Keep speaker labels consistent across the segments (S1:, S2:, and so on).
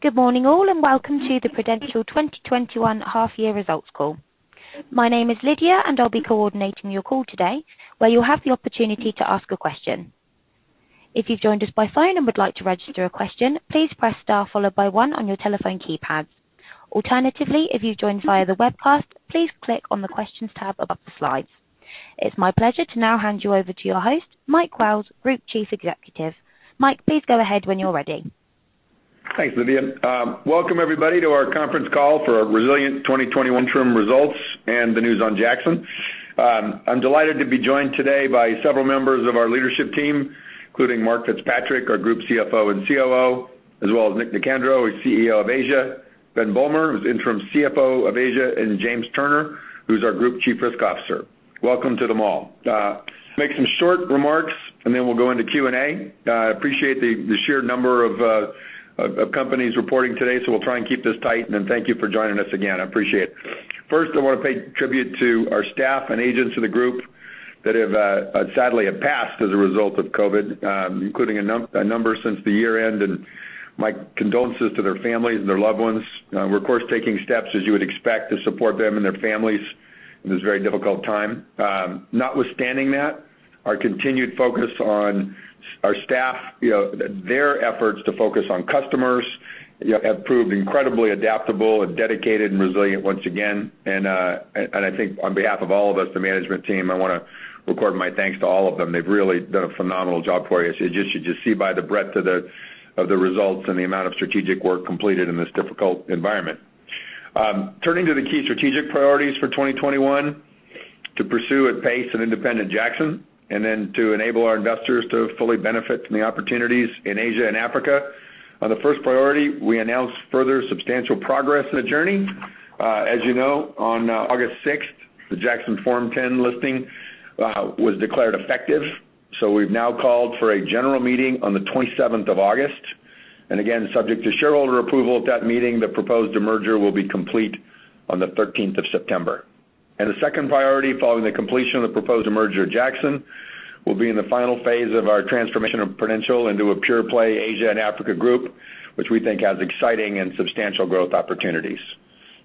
S1: Good morning all, welcome to the Prudential 2021 half-year results call. My name is Lydia, I'll be coordinating your call today, where you'll have the opportunity to ask a question. If you've joined us by phone would like to register a question, please press star followed by one on your telephone keypad. Alternatively, if you've joined via the webcast, please click on the questions tab above the slides. It's my pleasure to now hand you over to your host, Mike Wells, Group Chief Executive. Mike, please go ahead when you're ready.
S2: Thanks, Lydia. Welcome everybody to our conference call for our resilient 2021 term results and the news on Jackson. I'm delighted to be joined today by several members of our leadership team, including Mark FitzPatrick, our Group CFO and COO, as well as Nic Nicandrou, who's CEO of Asia, Ben Bulmer, who's interim CFO of Asia, and James Turner, who's our Group Chief Risk Officer. Welcome to them all. Make some short remarks, and then we'll go into Q&A. I appreciate the sheer number of companies reporting today, so we'll try and keep this tight, and thank you for joining us again. I appreciate it. First, I want to pay tribute to our staff and agents of the group that sadly have passed as a result of COVID, including a number since the year-end, and my condolences to their families and their loved ones. We're of course, taking steps, as you would expect, to support them and their families in this very difficult time. Notwithstanding that, our continued focus on our staff, their efforts to focus on customers, have proved incredibly adaptable and dedicated and resilient once again. I think on behalf of all of us, the management team, I want to record my thanks to all of them. They've really done a phenomenal job for you. You should just see by the breadth of the results and the amount of strategic work completed in this difficult environment. Turning to the key strategic priorities for 2021, to pursue at pace an independent Jackson, and then to enable our investors to fully benefit from the opportunities in Asia and Africa. On the first priority, we announced further substantial progress in the journey. As you know, on August 6th, the Jackson Form 10 listing was declared effective, so we've now called for a general meeting on the 27th of August. Again, subject to shareholder approval at that meeting, the proposed demerger will be complete on the 13th of September. The second priority following the completion of the proposed demerger of Jackson will be in the final phase of our transformation of Prudential into a pure play Asia and Africa group, which we think has exciting and substantial growth opportunities.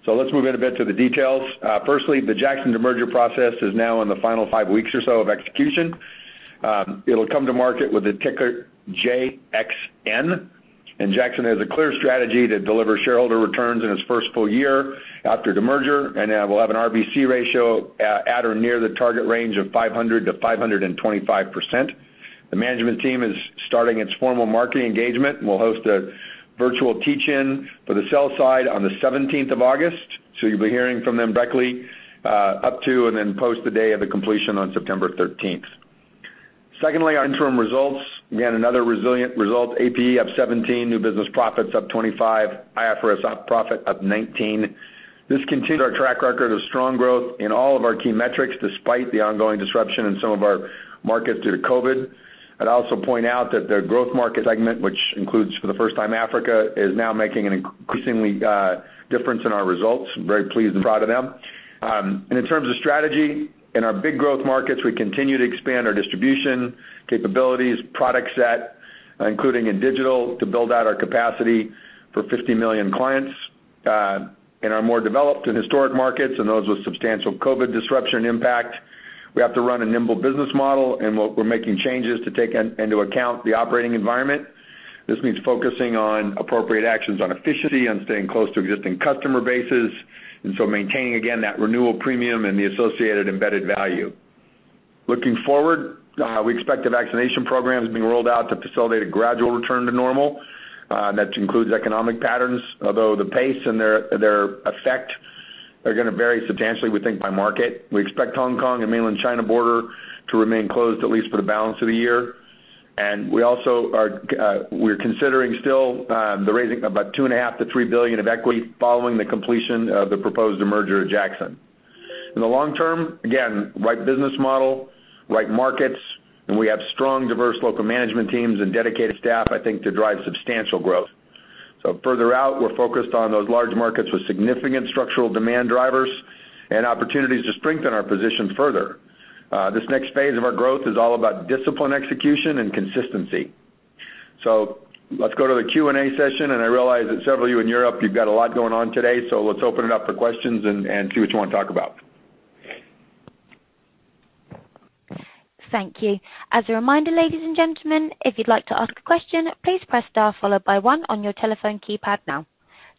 S2: Let's move in a bit to the details. Firstly, the Jackson demerger process is now in the final five weeks or so of execution. It'll come to market with the ticker JXN, and Jackson has a clear strategy to deliver shareholder returns in its first full year after demerger. We'll have an RBC ratio at or near the target range of 500%-525%. The management team is starting its formal marketing engagement and will host a virtual teach-in for the sell side on the 17th of August. You'll be hearing from them directly, up to and then post the day of the completion on September 13th. Secondly, our interim results. We had another resilient result, APE up 17%, new business profits up 25%, IFRS profit up 19%. This continues our track record of strong growth in all of our key metrics, despite the ongoing disruption in some of our markets due to COVID. I'd also point out that the growth market segment, which includes, for the first time Africa, is now making an increasingly difference in our results. Very pleased and proud of them. In terms of strategy, in our big growth markets, we continue to expand our distribution capabilities, product set, including in digital, to build out our capacity for 50 million clients. In our more developed and historic markets and those with substantial COVID disruption impact, we have to run a nimble business model, and we're making changes to take into account the operating environment. This means focusing on appropriate actions on efficiency, on staying close to existing customer bases, and so maintaining again that renewal premium and the associated embedded value. Looking forward, we expect the vaccination programs being rolled out to facilitate a gradual return to normal. That includes economic patterns. Although the pace and their effect are going to vary substantially, we think, by market. We expect Hong Kong and mainland China border to remain closed at least for the balance of the year. We also are considering still, the raising about $2.5 billion-$3 billion of equity following the completion of the proposed demerger of Jackson. In the long term, again, right business model, right markets, we have strong diverse local management teams and dedicated staff, I think, to drive substantial growth. Further out, we're focused on those large markets with significant structural demand drivers and opportunities to strengthen our position further. This next phase of our growth is all about discipline, execution, and consistency. Let's go to the Q&A session, and I realize that several of you in Europe, you've got a lot going on today. Let's open it up for questions and see what you want to talk about.
S1: Thank you. As a reminder, ladies and gentlemen, if you'd like to ask a question, please press star followed by one on your telephone keypad now.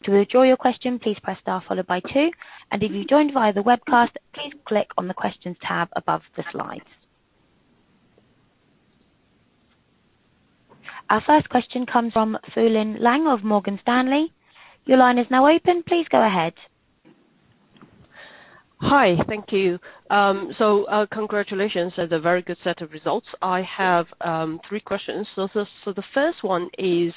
S1: To withdraw your question, please press star followed by two. If you joined via the webcast, please click on the questions tab above the slides. Our first question comes from Fulin Liang of Morgan Stanley. Your line is now open. Please go ahead.
S3: Hi. Thank you. Congratulations on the very good set of results. I have three questions. The first one is,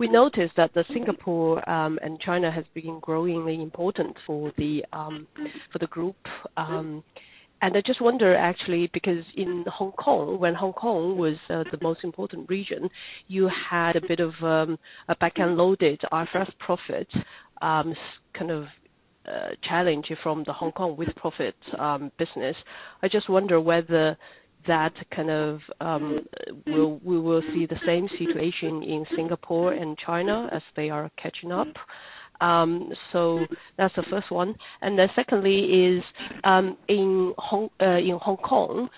S3: we noticed that the Singapore and China has been growingly important for the group. I just wonder actually, because in Hong Kong, when Hong Kong was the most important region, you had a bit of a backend loaded IFRS profit, kind of challenge from the Hong Kong with-profits business. I just wonder whether we will see the same situation in Singapore and China as they are catching up. That's the first one. Secondly is, in Hong Kong,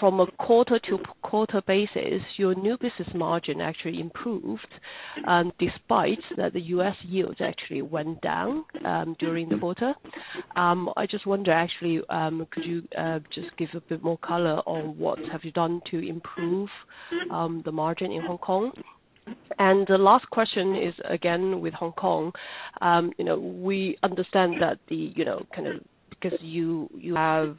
S3: from a quarter-to-quarter basis, your new business margin actually improved, despite that the U.S. yields actually went down during the quarter. I just wonder actually, could you just give a bit more color on what have you done to improve the margin in Hong Kong? The last question is, again, with Hong Kong. We understand that, because you have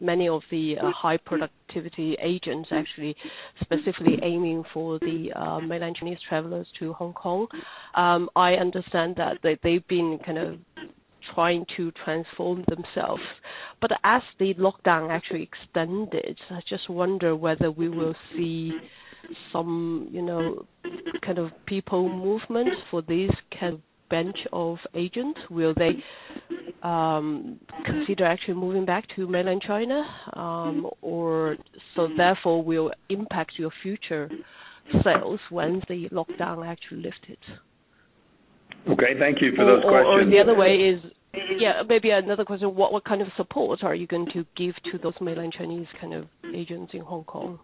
S3: many of the high productivity agents actually specifically aiming for the mainland Chinese travelers to Hong Kong. I understand that they've been trying to transform themselves. As the lockdown actually extended, I just wonder whether we will see some kind of people movement for this bench of agents. Will they consider actually moving back to mainland China? Therefore, will impact your future sales once the lockdown actually lifted.
S2: Okay, thank you for those questions.
S3: The other way is maybe another question. What kind of support are you going to give to those mainland Chinese agents in Hong Kong?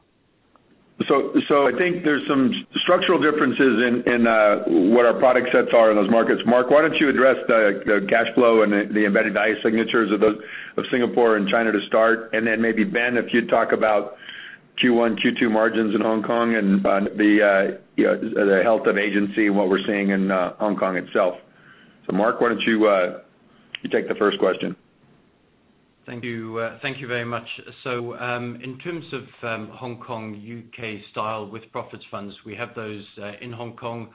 S2: I think there's some structural differences in what our product sets are in those markets. Mark, why don't you address the cash flow and the embedded value signatures of Singapore and China to start, and then maybe Ben, if you'd talk about Q1, Q2 margins in Hong Kong and the health of agency and what we're seeing in Hong Kong itself. Mark, why don't you take the first question?
S4: Thank you. Thank you very much. In terms of Hong Kong U.K. style with profits funds, we have those in Hong Kong,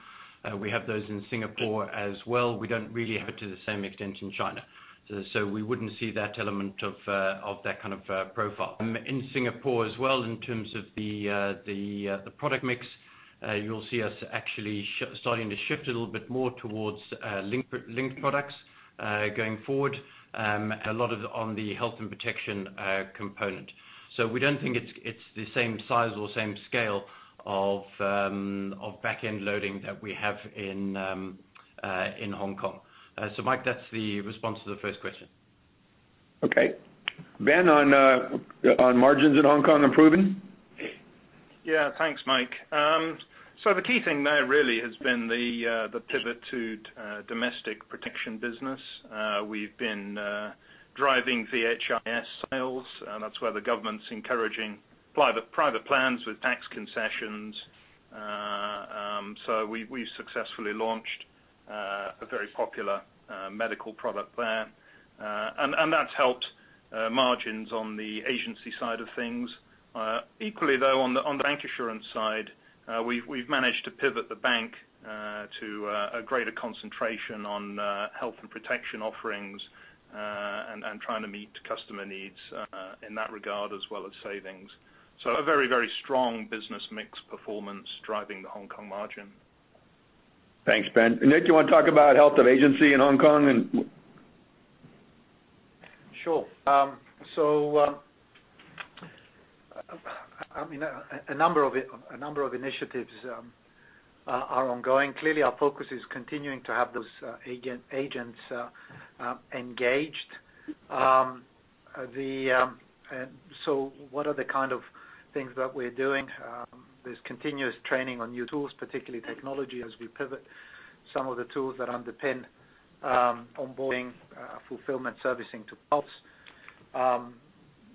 S4: we have those in Singapore as well. We don't really have it to the same extent in China. We wouldn't see that element of that kind of profile. In Singapore as well, in terms of the product mix, you'll see us actually starting to shift a little bit more towards linked products, going forward. A lot of on the health and protection component. We don't think it's the same size or same scale of back-end loading that we have in Hong Kong. Mike, that's the response to the first question.
S2: Okay. Ben, on margins in Hong Kong improving?
S5: Yeah. Thanks, Mike. The key thing there really has been the pivot to domestic protection business. We've been driving VHIS sales. That's where the government's encouraging private plans with tax concessions. We successfully launched a very popular medical product there. That's helped margins on the agency side of things. Equally though, on the bank insurance side, we've managed to pivot the bank to a greater concentration on health and protection offerings, and trying to meet customer needs, in that regard, as well as savings. A very strong business mix performance driving the Hong Kong margin.
S2: Thanks, Ben. Nic, you want to talk about health of agency in Hong Kong and?
S6: Sure. A number of initiatives are ongoing. Clearly our focus is continuing to have those agents engaged. What are the kind of things that we're doing? There's continuous training on new tools, particularly technology, as we pivot some of the tools that underpin onboarding fulfillment servicing to Pulse.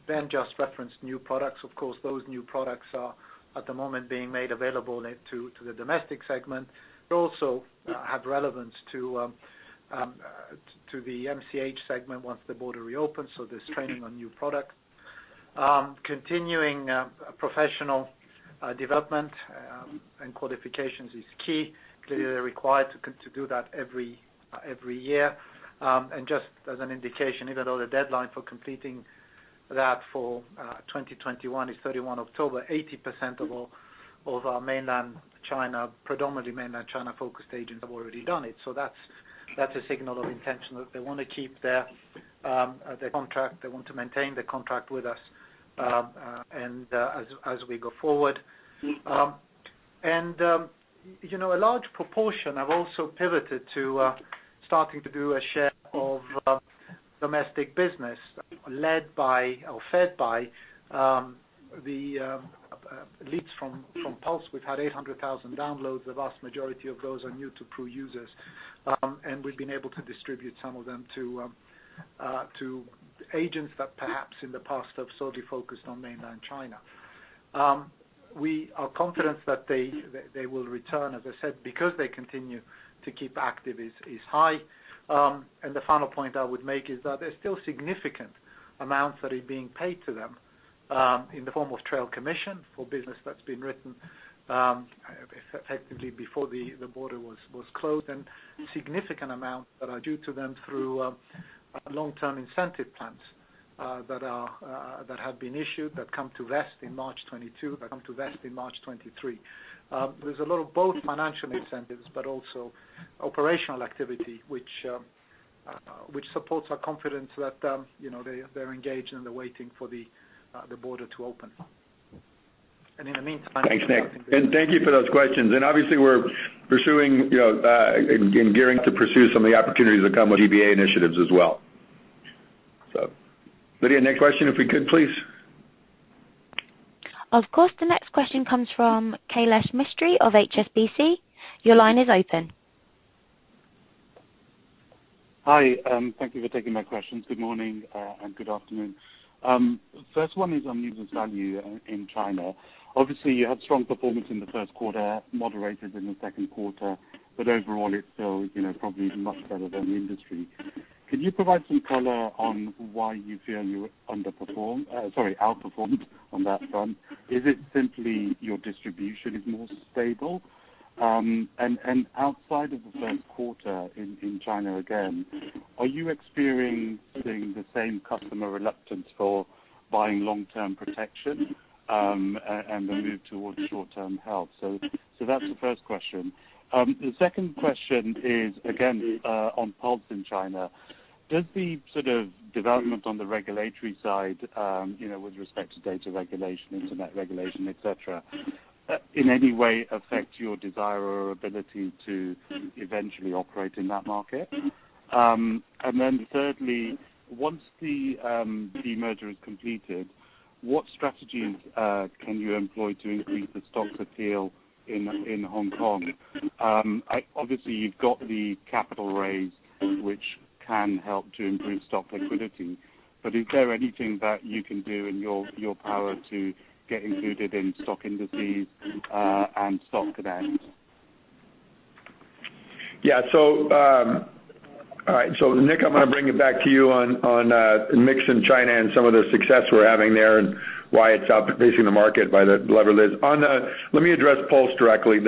S6: Ben just referenced new products. Those new products are at the moment being made available to the domestic segment, but also have relevance to the MCH segment once the border reopens. There's training on new products. Continuing professional development and qualifications is key. Clearly they're required to do that every year. Just as an indication, even though the deadline for completing that for 2021 is 31 October, 80% of our predominantly Mainland China focused agents have already done it. That's a signal of intention that they want to maintain their contract with us as we go forward. A large proportion have also pivoted to starting to do a share of domestic business led by or fed by the leads from Pulse. We've had 800,000 downloads. The vast majority of those are new to Pru users. We've been able to distribute some of them to agents that perhaps in the past have solely focused on Mainland China. We are confident that they will return, as I said, because they continue to keep active is high. The final point I would make is that there's still significant amounts that are being paid to them, in the form of trail commission for business that's been written effectively before the border was closed, and significant amounts that are due to them through long-term incentive plans that have been issued that come to rest in March 2022, that come to rest in March 2023. There's a lot of both financial incentives, but also operational activity, which supports our confidence that they're engaged and they're waiting for the border to open. In the meantime.
S2: Thanks, Nic. Thank you for those questions. Obviously, we're pursuing and gearing up to pursue some of the opportunities that come with GBA initiatives as well. Lydia, next question, if we could, please.
S1: Of course. The next question comes from Kailesh Mistry of HSBC. Your line is open.
S7: Hi. Thank you for taking my questions. Good morning and good afternoon. First one is on user value in China. Obviously, you had strong performance in the first quarter, moderated in the second quarter, but overall it is still probably much better than the industry. Can you provide some color on why you feel you outperformed on that front? Is it simply your distribution is more stable? Outside of the first quarter in China again, are you experiencing the same customer reluctance for buying long-term protection, and the move towards short-term health? That is the first question. The second question is again, on Pulse in China. Does the sort of development on the regulatory side with respect to data regulation, internet regulation, et cetera, in any way affect your desire or ability to eventually operate in that market? Thirdly, once the demerger is completed, what strategies can you employ to increase the stock's appeal in Hong Kong? Obviously, you've got the capital raise, which can help to improve stock liquidity. Is there anything that you can do in your power to get included in stock indices, and Stock Connect?
S2: Yeah. All right. Nic, I'm going to bring it back to you on mix in China and some of the success we're having there, and why it's outpacing the market by the leverages. Let me address Pulse directly.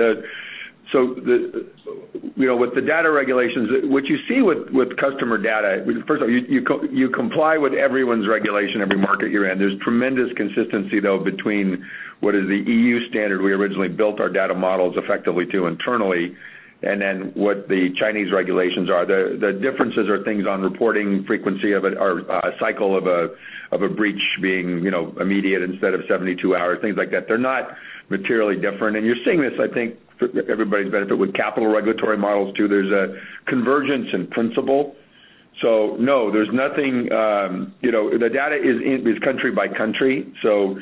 S2: With the data regulations, what you see with customer data, first of all, you comply with everyone's regulation, every market you're in. There's tremendous consistency, though, between what is the E.U. standard we originally built our data models effectively to internally and then what the Chinese regulations are. The differences are things on reporting frequency of it, or a cycle of a breach being immediate instead of 72 hours, things like that. They're not materially different. You're seeing this, I think, for everybody's benefit with capital regulatory models, too. There's a convergence in principle. No, there's nothing. The data is country by country, so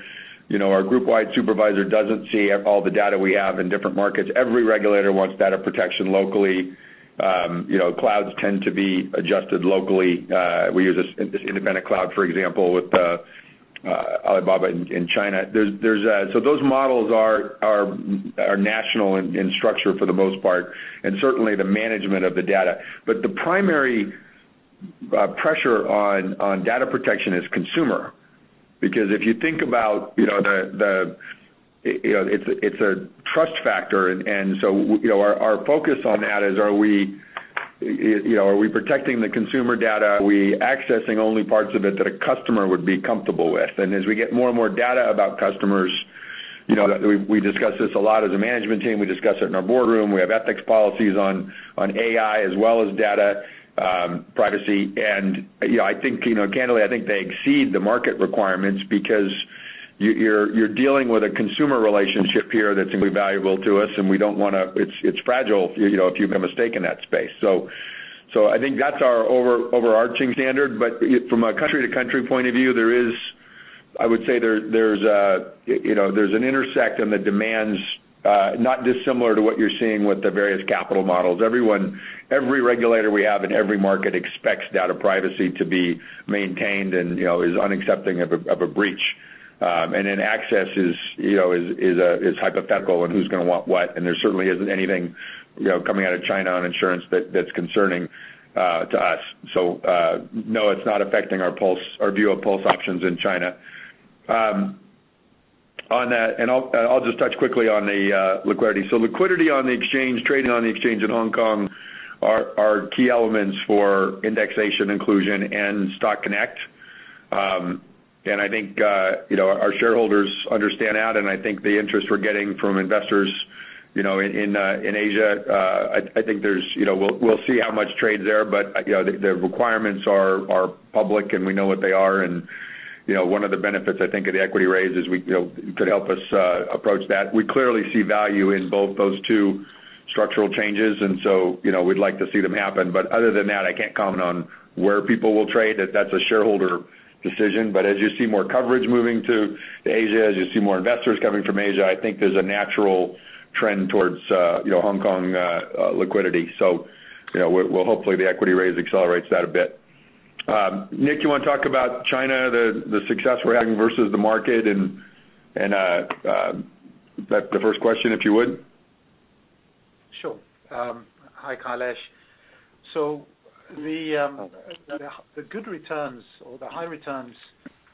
S2: our group-wide supervisor doesn't see all the data we have in different markets. Every regulator wants data protection locally. Clouds tend to be adjusted locally. We use this independent cloud, for example, with Alibaba in China. Those models are national in structure for the most part, and certainly the management of the data. The primary pressure on data protection is consumer. If you think about it's a trust factor, and so our focus on that is are we protecting the consumer data? Are we accessing only parts of it that a customer would be comfortable with? As we get more and more data about customers, we discuss this a lot as a management team. We discuss it in our boardroom. We have ethics policies on AI as well as data privacy. Candidly, I think they exceed the market requirements because you're dealing with a consumer relationship here that's incredibly valuable to us. It's fragile if you make a mistake in that space. I think that's our overarching standard. From a country-to-country point of view, I would say there's an intersect and the demands not dissimilar to what you're seeing with the various capital models. Every regulator we have in every market expects data privacy to be maintained and is unaccepting of a breach. Then access is hypothetical and who's going to want what, and there certainly isn't anything coming out of China on insurance that's concerning to us. No, it's not affecting our view of Pulse options in China. On that, and I'll just touch quickly on the liquidity. Liquidity on the exchange, trading on the exchange in Hong Kong are key elements for indexation inclusion and Stock Connect. I think our shareholders understand that, and I think the interest we're getting from investors in Asia, we'll see how much trade's there. The requirements are public, and we know what they are, and one of the benefits, I think, of the equity raise is it could help us approach that. We clearly see value in both those two structural changes. We'd like to see them happen. Other than that, I can't comment on where people will trade. That's a shareholder decision. As you see more coverage moving to Asia, as you see more investors coming from Asia, I think there's a natural trend towards Hong Kong liquidity. Hopefully the equity raise accelerates that a bit. Nic, you want to talk about China, the success we're having versus the market, and the first question, if you would?
S6: Sure. Hi, Kailesh. The good returns or the high returns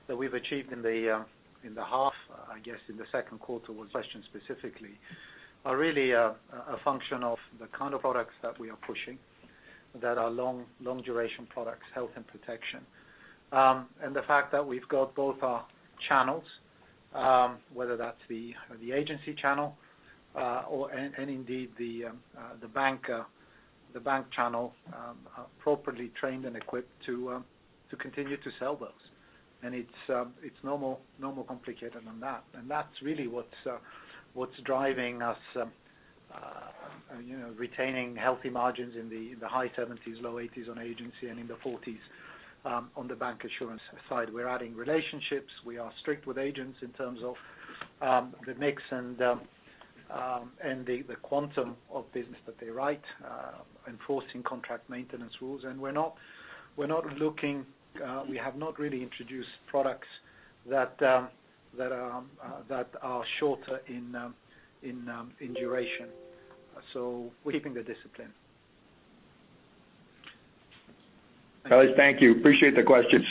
S6: that we've achieved in the half, I guess in the second quarter, are really a function of the kind of products that we are pushing that are long duration products, health and protection. The fact that we've got both our channels, whether that's the agency channel, and indeed the bank channel, are appropriately trained and equipped to continue to sell those. It's no more complicated than that. That's really what's driving us retaining healthy margins in the high 70%-low 80% on agency, and in the 40% on the bank insurance side. We're adding relationships. We are strict with agents in terms of the mix and the quantum of business that they write, enforcing contract maintenance rules. We have not really introduced products that are shorter in duration. We're keeping the discipline.
S2: Kailesh, thank you. Appreciate the questions.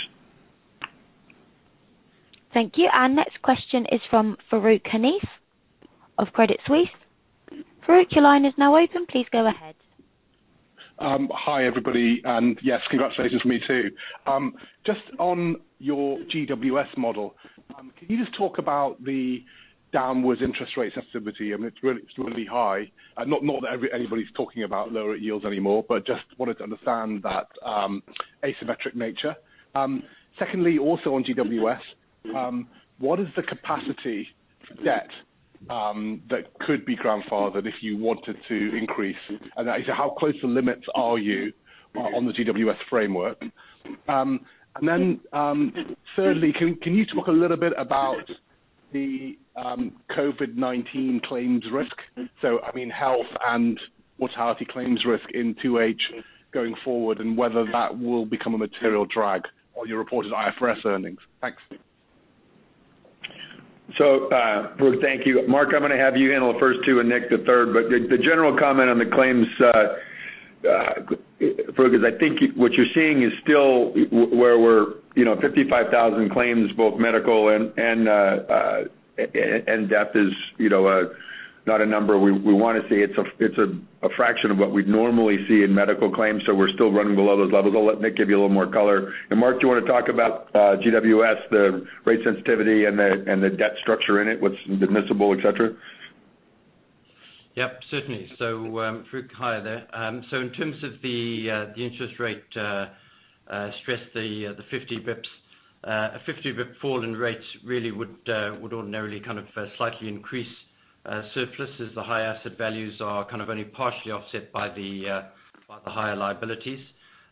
S1: Thank you. Our next question is from Farooq Hanif of Credit Suisse. Farooq, your line is now open. Please go ahead.
S8: Hi, everybody. Yes, congratulations from me, too. Just on your GWS model, can you just talk about the downward interest rate sensitivity? I mean, it's really high. Not that anybody's talking about lower yields anymore, but just wanted to understand that asymmetric nature. Secondly, also on GWS, what is the capacity for debt that could be grandfathered if you wanted to increase? How close to limits are you on the GWS framework? Thirdly, can you talk a little bit about the COVID-19 claims risk? I mean, health and mortality claims risk in 2H going forward, and whether that will become a material drag on your reported IFRS earnings. Thanks.
S2: Farooq, thank you. Mark, I'm going to have you handle the first two and Nic the third. The general comment on the claims, Farooq, is I think what you're seeing is still where we're 55,000 claims, both medical and death is not a number we want to see. It's a fraction of what we'd normally see in medical claims, so we're still running below those levels. I'll let Nic give you a little more color. Mark, do you want to talk about GWS, the rate sensitivity and the debt structure in it, what's admissible, et cetera?
S4: Yep, certainly. Farooq, hi there. In terms of the interest rate stress, the 50 basis points fall in rates really would ordinarily kind of slightly increase surplus as the high asset values are kind of only partially offset by the higher liabilities.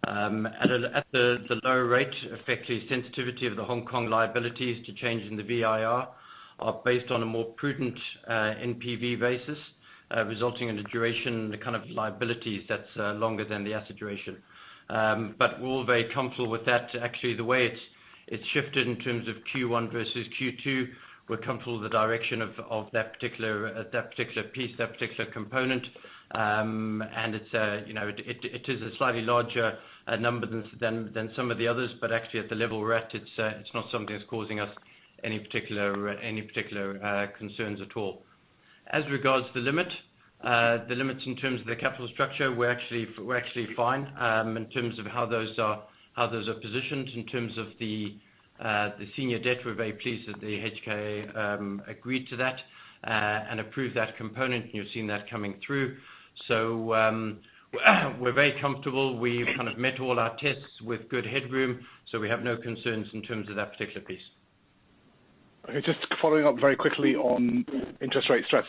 S4: At the lower rate, effectively sensitivity of the Hong Kong liabilities to change in the VIR are based on a more prudent NPV basis, resulting in a duration, the kind of liabilities that's longer than the asset duration. We're very comfortable with that. Actually, the way it's shifted in terms of Q1 versus Q2, we're comfortable with the direction of that particular piece, that particular component. It is a slightly larger number than some of the others, but actually at the level we're at, it's not something that's causing us any particular concerns at all. As regards to the limit, the limits in terms of the capital structure, we're actually fine. In terms of how those are positioned, in terms of the senior debt, we're very pleased that the HKIA agreed to that and approved that component. You're seeing that coming through. We're very comfortable. We've kind of met all our tests with good headroom, so we have no concerns in terms of that particular piece.
S8: Okay. Just following up very quickly on interest rate stress.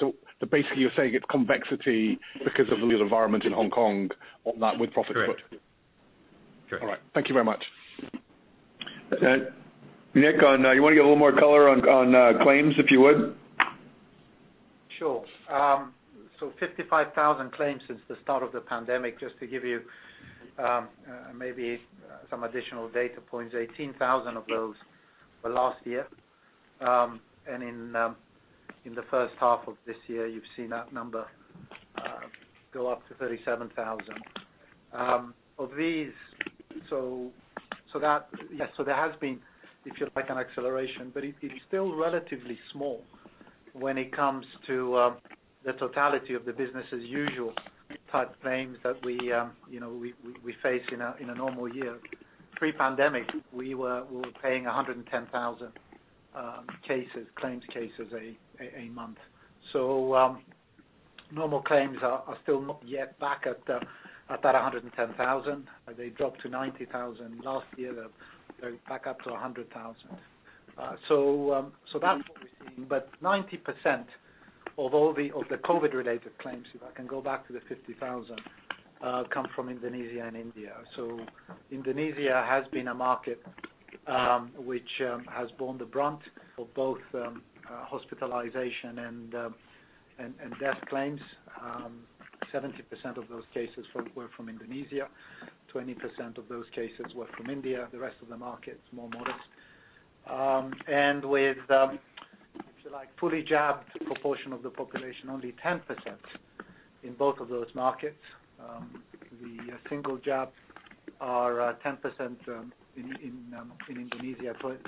S8: Basically, you're saying it's convexity because of the real environment in Hong Kong on that with profit put.
S4: Correct.
S8: All right. Thank you very much.
S2: Nic, you want to give a little more color on claims, if you would?
S6: Sure. 55,000 claims since the start of the pandemic, just to give you maybe some additional data points. 18,000 of those were last year. In the first half of this year, you've seen that number go up to 37,000. Of these, there has been, if you like, an acceleration, but it's still relatively small when it comes to the totality of the business as usual type claims that we face in a normal year. Pre-pandemic, we were paying 110,000 claims cases a month. Normal claims are still not yet back at that 110,000. They dropped to 90,000 last year. They're back up to 100,000. That's what we're seeing. 90% of the COVID related claims, if I can go back to the 50,000, come from Indonesia and India. Indonesia has been a market which has borne the brunt of both hospitalization and death claims. 70% of those cases were from Indonesia, 20% of those cases were from India. The rest of the markets, more modest. With fully jabbed proportion of the population only 10% in both of those markets. The single jab are 10% in India, 20%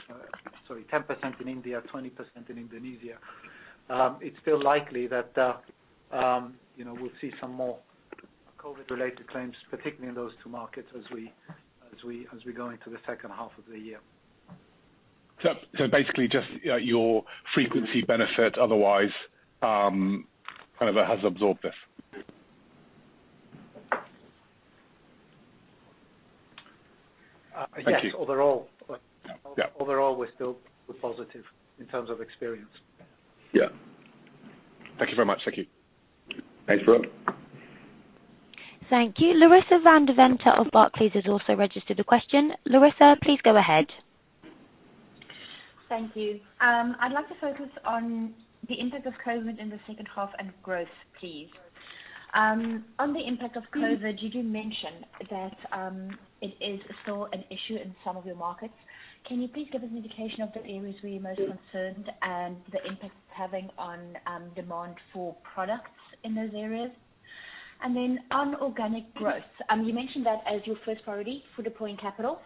S6: in Indonesia. It's still likely that we'll see some more COVID-related claims, particularly in those two markets as we go into the second half of the year.
S8: Basically, just your frequency benefit, otherwise, has absorbed this? Thank you.
S6: Yes.
S8: Yeah.
S6: Overall, we're still positive in terms of experience.
S8: Yeah. Thank you very much. Thank you.
S2: Thanks, Farooq.
S1: Thank you. Larissa van Deventer of Barclays has also registered a question. Larissa, please go ahead.
S9: Thank you. I'd like to focus on the impact of COVID in the second half and growth, please. On the impact of COVID, you did mention that it is still an issue in some of your markets. Can you please give us an indication of the areas where you're most concerned, and the impact it's having on demand for products in those areas? Then on organic growth, you mentioned that as your first priority for deploying capital.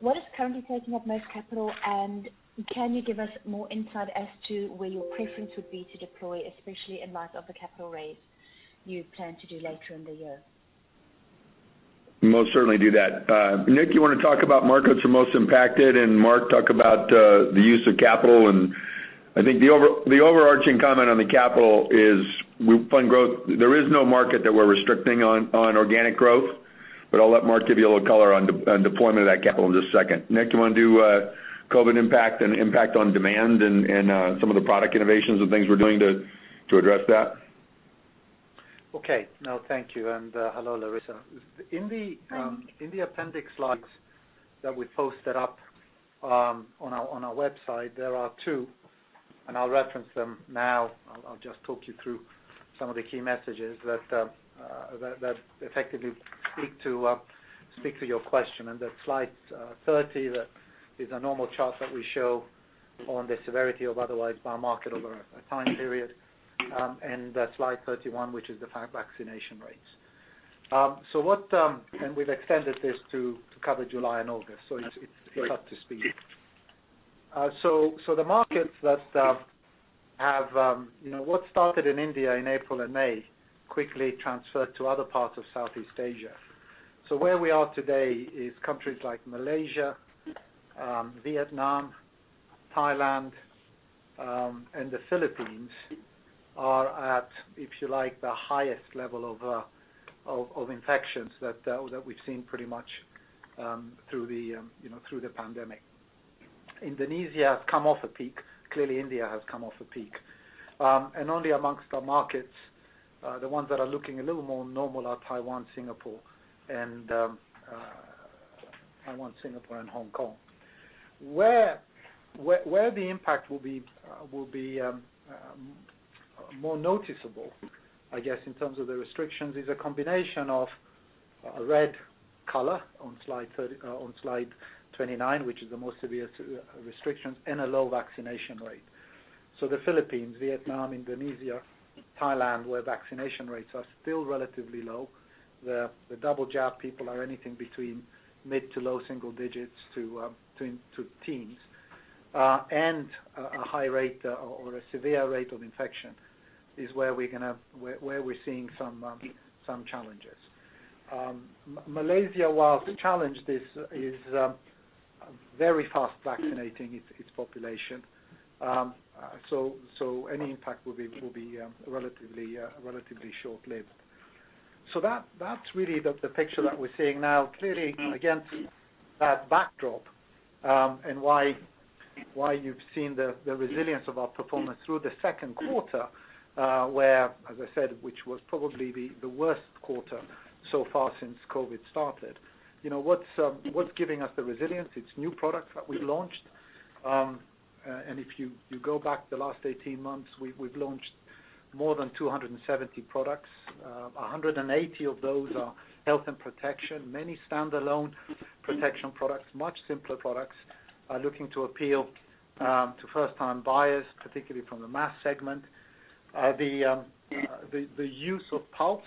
S9: What is currently taking up most capital, and can you give us more insight as to where your preference would be to deploy, especially in light of the capital raise you plan to do later in the year?
S2: Most certainly do that. Nic, you want to talk about markets that are most impacted, and Mark talk about the use of capital? I think the overarching comment on the capital is we fund growth. There is no market that we're restricting on organic growth, but I'll let Mark give you a little color on deployment of that capital in just a second. Nic, you want to do COVID impact and impact on demand and some of the product innovations and things we're doing to address that?
S6: Okay. No, thank you, and hello, Larissa.
S9: Hi.
S6: In the appendix slides that we posted up on our website, there are two, and I'll reference them now. I'll just talk you through some of the key messages that effectively speak to your question. That's slide 30, that is a normal chart that we show on the severity of COVID by market over a time period. Slide 31, which is the vaccination rates. We've extended this to cover July and August. It's up to speed. What started in India in April and May quickly transferred to other parts of Southeast Asia. Where we are today is countries like Malaysia, Vietnam, Thailand, and the Philippines are at, if you like, the highest level of infections that we've seen pretty much through the pandemic. Indonesia has come off a peak. Clearly India has come off a peak. Only amongst our markets, the ones that are looking a little more normal are Taiwan, Singapore, and Hong Kong. Where the impact will be more noticeable, I guess, in terms of the restrictions, is a combination of a red color on slide 29, which is the most severe restrictions, and a low vaccination rate. The Philippines, Vietnam, Indonesia, Thailand, where vaccination rates are still relatively low. The double-jab people are anything between mid to low single digits to teens. A high rate or a severe rate of infection is where we're seeing some challenges. Malaysia, whilst challenged, is very fast vaccinating its population. Any impact will be relatively short-lived. That's really the picture that we're seeing now. Clearly, against that backdrop, why you've seen the resilience of our performance through the second quarter, where, as I said, which was probably the worst quarter so far since COVID started. What's giving us the resilience? It's new products that we've launched. If you go back the last 18 months, we've launched more than 270 products. 180 of those are health and protection. Many standalone protection products, much simpler products are looking to appeal to first-time buyers, particularly from the mass segment. The use of Pulse,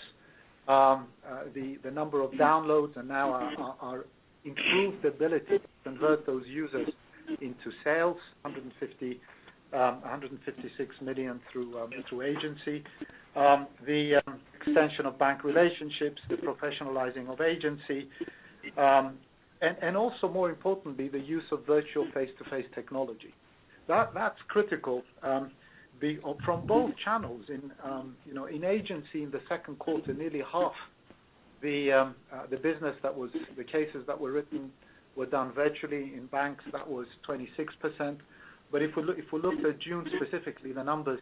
S6: the number of downloads, and now our increased ability to convert those users into sales, $156 million through agency. The extension of bank relationships, the professionalizing of agency. Also more importantly, the use of virtual face-to-face technology. That's critical from both channels. In agency in the second quarter, nearly half the business that was the cases that were written were done virtually. In banks, that was 26%. If we look at June specifically, the numbers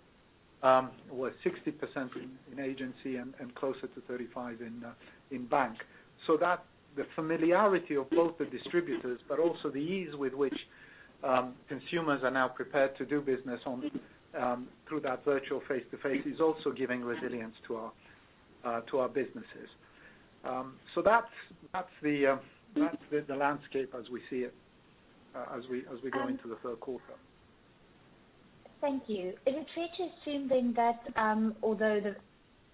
S6: were 60% in agency and closer to 35 in bank. The familiarity of both the distributors, but also the ease with which consumers are now prepared to do business through that virtual face-to-face is also giving resilience to our businesses. That's the landscape as we see it as we go into the third quarter.
S9: Thank you. Is it fair to assume then that although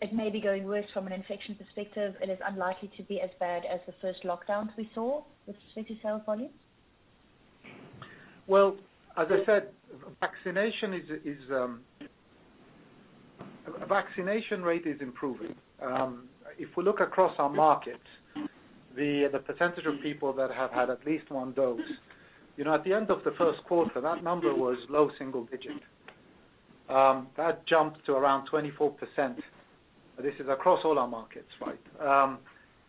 S9: it may be going worse from an infection perspective, it is unlikely to be as bad as the first lockdowns we saw with city sales volume?
S6: Well, as I said, vaccination rate is improving. If we look across our markets, the percentage of people that have had at least one dose, at the end of the 1st quarter, that number was low single-digit. That jumped to around 24%. This is across all our markets, right?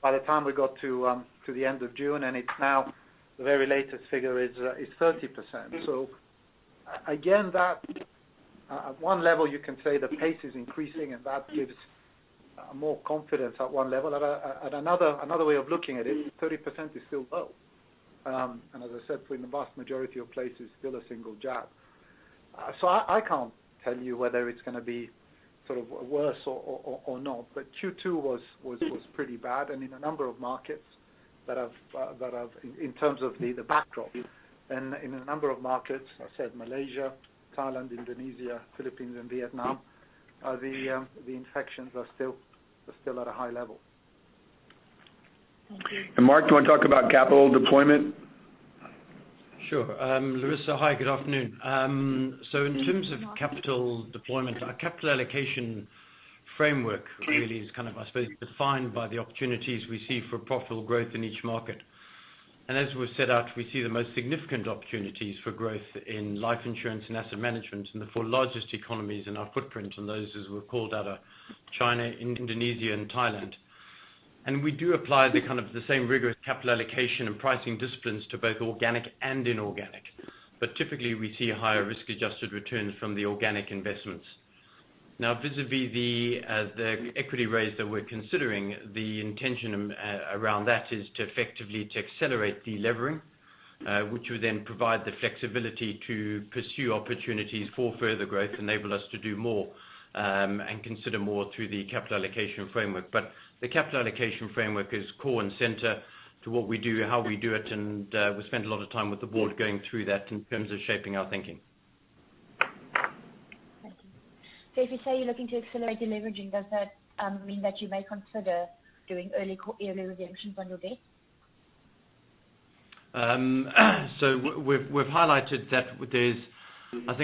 S6: By the time we got to the end of June, the very latest figure is 30%. Again, at one level you can say the pace is one and that gives more confidence at 1 level. At another way of looking at it, 30% is still low. As I said, for the vast majority of places, still a single jab. I can't tell you whether it's going to be worse or not, but Q2 was pretty bad. In terms of the backdrop, and in a number of markets, I said Malaysia, Thailand, Indonesia, Philippines, and Vietnam, the infections are still at a high level.
S9: Thank you.
S2: Mark, do you want to talk about capital deployment?
S4: Sure. Larissa, hi, good afternoon. In terms of capital deployment, our capital allocation framework really is, I suppose, defined by the opportunities we see for profitable growth in each market. As we've set out, we see the most significant opportunities for growth in life insurance and asset management in the four largest economies in our footprint. Those, as we've called out, are China, Indonesia, and Thailand. We do apply the same rigorous capital allocation and pricing disciplines to both organic and inorganic. Typically, we see higher risk-adjusted returns from the organic investments. Now, vis-à-vis the equity raise that we're considering, the intention around that is effectively to accelerate delevering, which would then provide the flexibility to pursue opportunities for further growth, enable us to do more, and consider more through the capital allocation framework. The capital allocation framework is core and center to what we do, how we do it, and we spend a lot of time with the board going through that in terms of shaping our thinking.
S9: Thank you. If you say you're looking to accelerate deleveraging, does that mean that you may consider doing early redemptions on your debt?
S4: We've highlighted that there's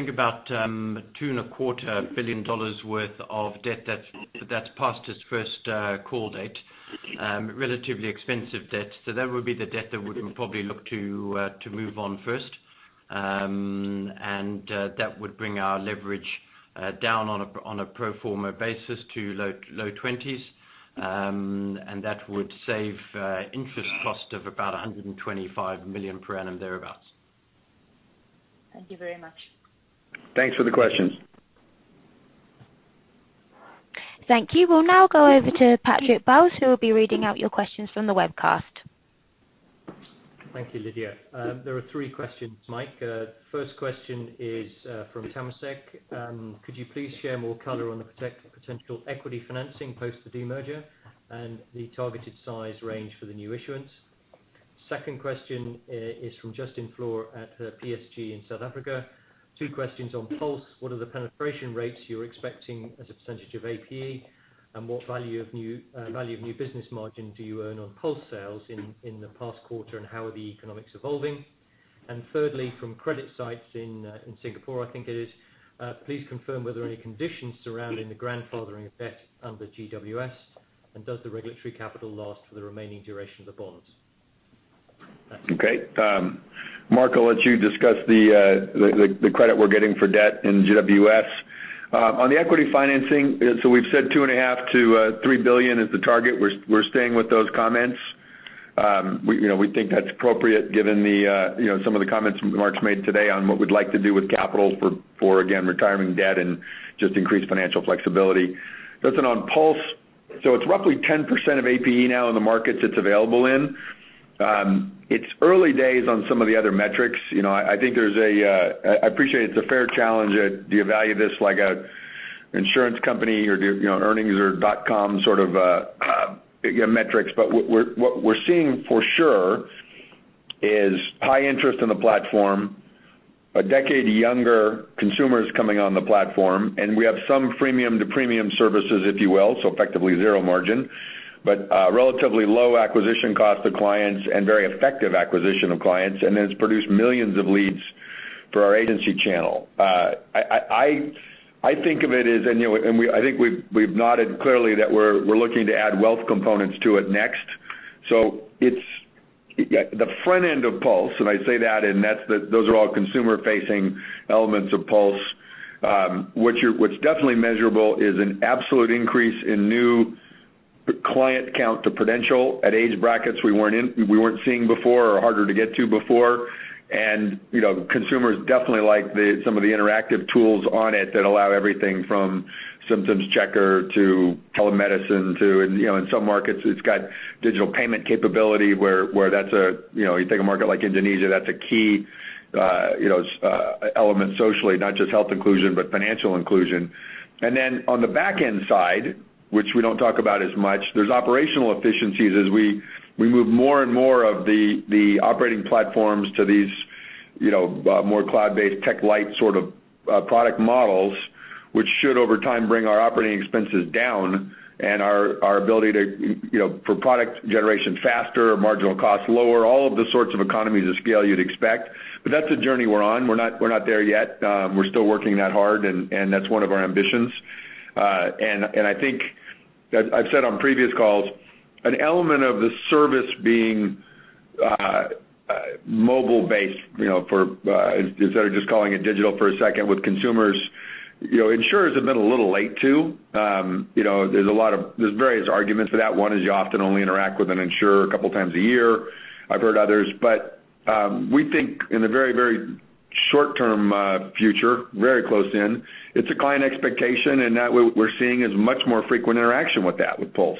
S4: about $2.25 billion worth of debt that's past its first call date. Relatively expensive debt. That would be the debt that we would probably look to move on first. That would bring our leverage down on a pro forma basis to low 20s. That would save interest cost of about $125 million per annum thereabouts.
S9: Thank you very much.
S2: Thanks for the questions.
S1: Thank you. We'll now go over to Patrick Bowes, who will be reading out your questions from the webcast.
S10: Thank you, Lydia. There are three questions, Mike. First question is from Temasek. Could you please share more color on the potential equity financing post the demerger and the targeted size range for the new issuance? Second question is from Justin Floor at PSG in South Africa. Two questions on Pulse. What are the penetration rates you're expecting as a % of APE? What value of new business margin do you earn on Pulse sales in the past quarter, and how are the economics evolving? Thirdly, from CreditSights in Singapore. Please confirm whether any conditions surrounding the grandfathering of debt under GWS, and does the regulatory capital last for the remaining duration of the bonds? That's it.
S2: Okay. Mark, I'll let you discuss the credit we're getting for debt in GWS. On the equity financing, we've said $2.5 billion-$3 billion is the target. We're staying with those comments. We think that's appropriate given some of the comments Mark's made today on what we'd like to do with capital for, again, retiring debt and just increased financial flexibility. Justin, on Pulse, it's roughly 10% of APE now in the markets it's available in. It's early days on some of the other metrics. I appreciate it's a fair challenge. Do you value this like an insurance company or earnings or dot-com sort of metrics? What we're seeing for sure is high interest in the platform, a decade younger consumers coming on the platform, and we have some freemium to premium services, if you will. Effectively zero margin. Relatively low acquisition cost of clients and very effective acquisition of clients, and then it's produced millions of leads for our agency channel. I think we've nodded clearly that we're looking to add wealth components to it next. The front end of Pulse, and I say that, and those are all consumer-facing elements of Pulse. What's definitely measurable is an absolute increase in new client count to Prudential at age brackets we weren't seeing before or harder to get to before. Consumers definitely like some of the interactive tools on it that allow everything from symptoms checker to telemedicine to, in some markets, it's got digital payment capability where you take a market like Indonesia, that's a key element socially, not just health inclusion, but financial inclusion. On the back-end side, which we don't talk about as much, there's operational efficiencies as we move more and more of the operating platforms to these more cloud-based, tech-light sort of product models, which should, over time, bring our operating expenses down and our ability to, for product generation faster, marginal cost lower, all of the sorts of economies of scale you'd expect. That's a journey we're on. We're not there yet. We're still working that hard, and that's one of our ambitions. I think, as I've said on previous calls, an element of the service being mobile-based, instead of just calling it digital for a second with consumers, insurers have been a little late, too. There's various arguments for that. One is you often only interact with an insurer a couple of times a year. I've heard others. We think in the very short-term future, very close in, it's a client expectation, and that we're seeing is much more frequent interaction with that, with Pulse.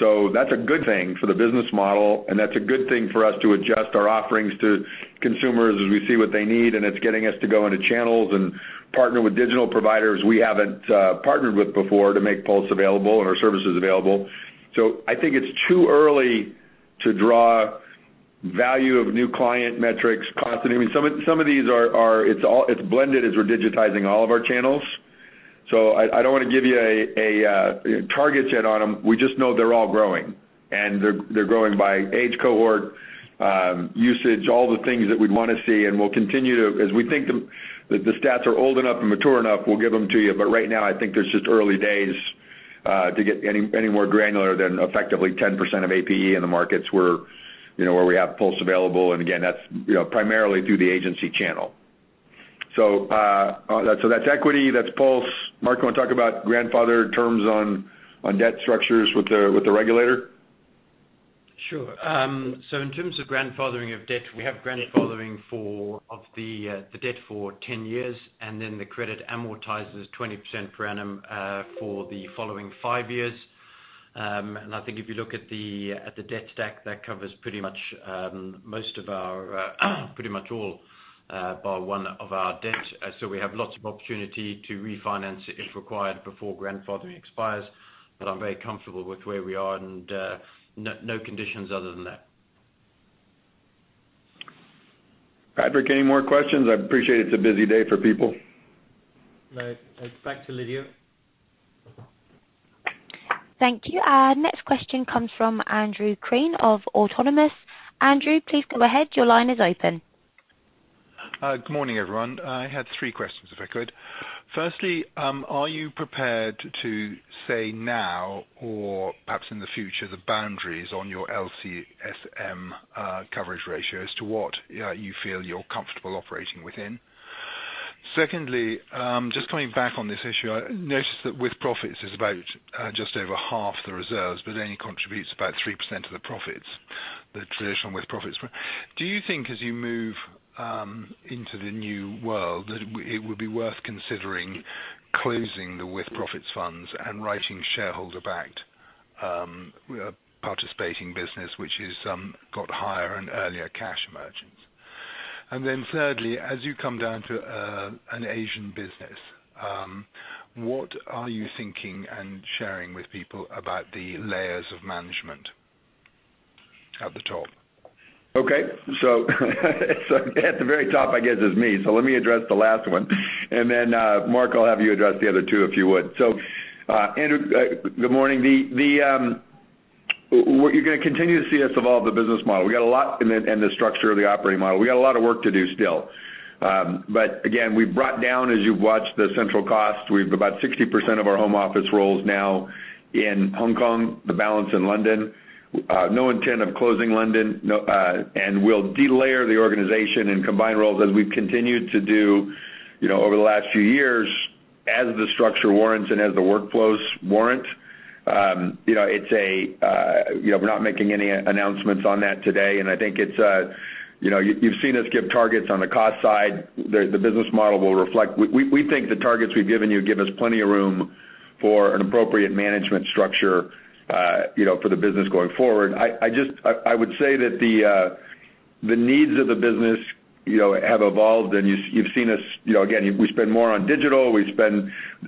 S2: That's a good thing for the business model, and that's a good thing for us to adjust our offerings to consumers as we see what they need, and it's getting us to go into channels and partner with digital providers we haven't partnered with before to make Pulse available and our services available. I think it's too early to draw value of new client metrics constantly. Some of these are blended as we're digitizing all of our channels. I don't want to give you a target yet on them. We just know they're all growing. They're growing by age cohort, usage, all the things that we'd want to see, and we'll continue to, as we think that the stats are old enough and mature enough, we'll give them to you. Right now, I think there's just early days to get any more granular than effectively 10% of APE in the markets where we have Pulse available. Again, that's primarily through the agency channel. That's equity, that's Pulse. Mark, you want to talk about grandfather terms on debt structures with the regulator?
S4: Sure. In terms of grandfathering of debt, we have grandfathering of the debt for 10 years, and then the credit amortizes 20% per annum for the following five years. I think if you look at the debt stack, that covers pretty much all but one of our debt. We have lots of opportunity to refinance it if required before grandfathering expires. I'm very comfortable with where we are and no conditions other than that.
S2: Patrick, any more questions? I appreciate it's a busy day for people.
S10: No. Back to Lydia.
S1: Thank you. Next question comes from Andrew Crean of Autonomous. Andrew, please go ahead. Your line is open.
S11: Good morning, everyone. I had three questions, if I could. Firstly, are you prepared to say now or perhaps in the future, the boundaries on your LCSM coverage ratio as to what you feel you're comfortable operating within? Secondly, coming back on this issue, I noticed that with-profits is about just over half the reserves, but then it contributes about 3% of the profits, the traditional with-profits. Do you think as you move into the new world, that it would be worth considering closing the with-profits funds and writing shareholder-backed participating business, which has got higher and earlier cash emergence? Thirdly, as you come down to an Asian business, what are you thinking and sharing with people about the layers of management at the top?
S2: Okay. At the very top, I guess, is me. Let me address the last one, and then Mark, I'll have you address the other two, if you would. Andrew, good morning. You're going to continue to see us evolve the business model and the structure of the operating model. We got a lot of work to do still. Again, we've brought down, as you've watched, the central cost. We have about 60% of our home office roles now in Hong Kong, the balance in London. No intent of closing London. We'll delayer the organization and combine roles as we've continued to do over the last few years as the structure warrants and as the workflows warrant. We're not making any announcements on that today, and I think you've seen us give targets on the cost side. The business model will reflect. We think the targets we've given you give us plenty of room for an appropriate management structure for the business going forward. I would say that the needs of the business have evolved. You've seen us, again, we spend more on digital.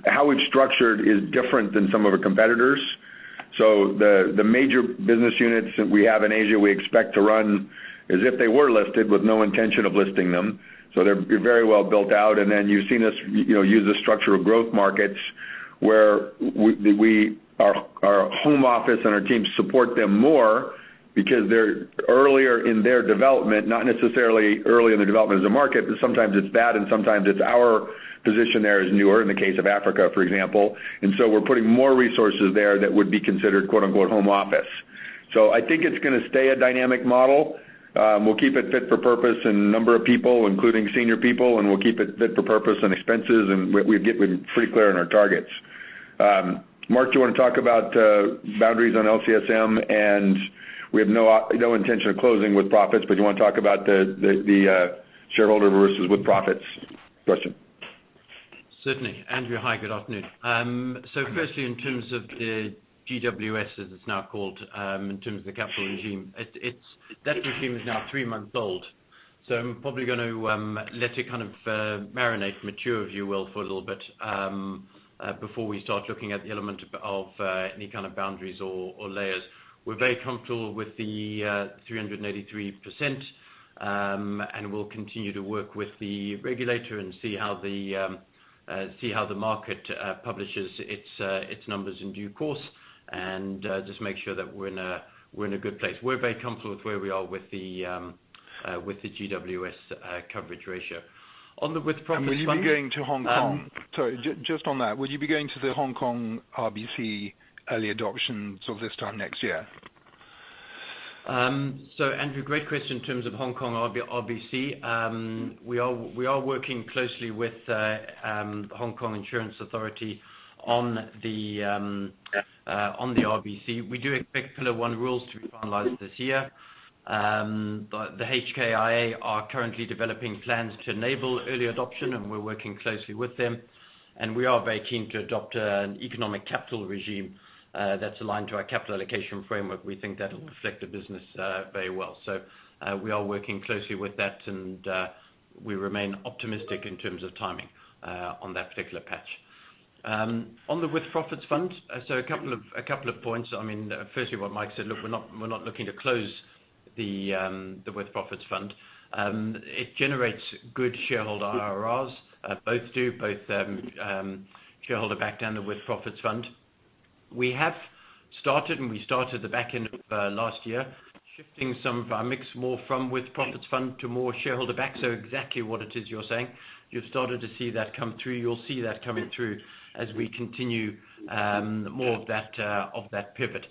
S2: How it's structured is different than some of our competitors. The major business units that we have in Asia, we expect to run as if they were listed with no intention of listing them. They're very well built out. You've seen us use the structure of growth markets where our home office and our teams support them more because they're earlier in their development, not necessarily early in the development of the market, but sometimes it's that, sometimes it's our position there is newer, in the case of Africa, for example. We're putting more resources there that would be considered "home office." I think it's going to stay a dynamic model. We'll keep it fit for purpose in number of people, including senior people, and we'll keep it fit for purpose on expenses, and we're pretty clear on our targets. Mark, do you want to talk about boundaries on LCSM? We have no intention of closing with profits, but do you want to talk about the shareholder versus with-profits question?
S4: Certainly. Andrew, hi, good afternoon. Firstly, in terms of the GWS, as it is now called, in terms of the capital regime, that regime is now three months old. I am probably going to let it kind of marinate, mature, if you will, for a little bit before we start looking at the element of any kind of boundaries or layers. We are very comfortable with the 383%, and we will continue to work with the regulator and see how the market publishes its numbers in due course, and just make sure that we are in a good place. We are very comfortable with where we are with the GWS coverage ratio.
S11: Will you be going to Hong Kong? Sorry, just on that, would you be going to the Hong Kong RBC early adoption this time next year?
S4: Andrew, great question in terms of Hong Kong RBC. We are working closely with the Hong Kong Insurance Authority on the RBC. We do expect Pillar 1 rules to be finalized this year. The HKIA are currently developing plans to enable early adoption, and we're working closely with them. We are very keen to adopt an economic capital regime that's aligned to our capital allocation framework. We think that'll reflect the business very well. We are working closely with that, and we remain optimistic in terms of timing on that particular patch. On the with-profits fund, so a couple of points. Firstly, what Mike said, look, we're not looking to close the with-profits fund. It generates good shareholder IRRs, both do, both shareholder backed and the with-profits fund. We have started, we started the back end of last year, shifting some of our mix more from with-profits fund to more shareholder backed. Exactly what it is you're saying. You've started to see that come through. You'll see that coming through as we continue more of that pivot.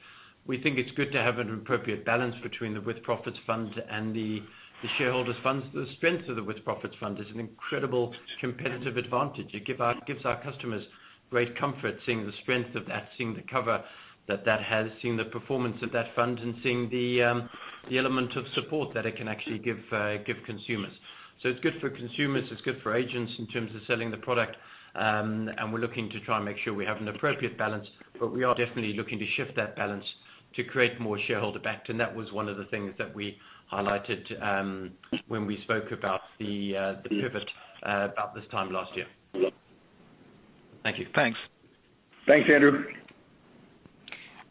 S4: We think it's good to have an appropriate balance between the with-profits fund and the shareholders funds. The strength of the with-profits fund is an incredible competitive advantage. It gives our customers great comfort seeing the strength of that, seeing the cover that that has, seeing the performance of that fund, and seeing the element of support that it can actually give consumers. It's good for consumers, it's good for agents in terms of selling the product. We're looking to try and make sure we have an appropriate balance, but we are definitely looking to shift that balance to create more shareholder backed. That was one of the things that we highlighted when we spoke about the pivot about this time last year. Thank you.
S11: Thanks.
S2: Thanks, Andrew.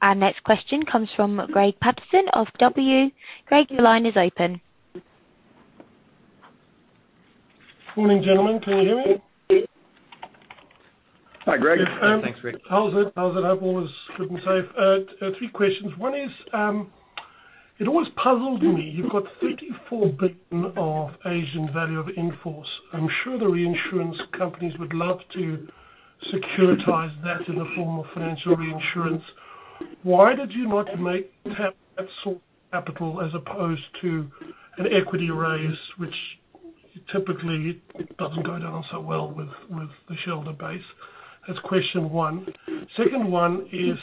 S1: Our next question comes from Greig Paterson of KBW. Greig, your line is open.
S12: Morning, gentlemen. Can you hear me?
S2: Hi, Greig.
S4: Thanks, Greig.
S12: How's it? Hope all is good and safe. Three questions. One is, it always puzzled me. You've got $34 billion of Asian value of in-force. I'm sure the reinsurance companies would love to securitize that in the form of financial reinsurance. Why did you not make tap that sort of capital as opposed to an equity raise, which typically it doesn't go down so well with the shareholder base. That's question one. Second one is,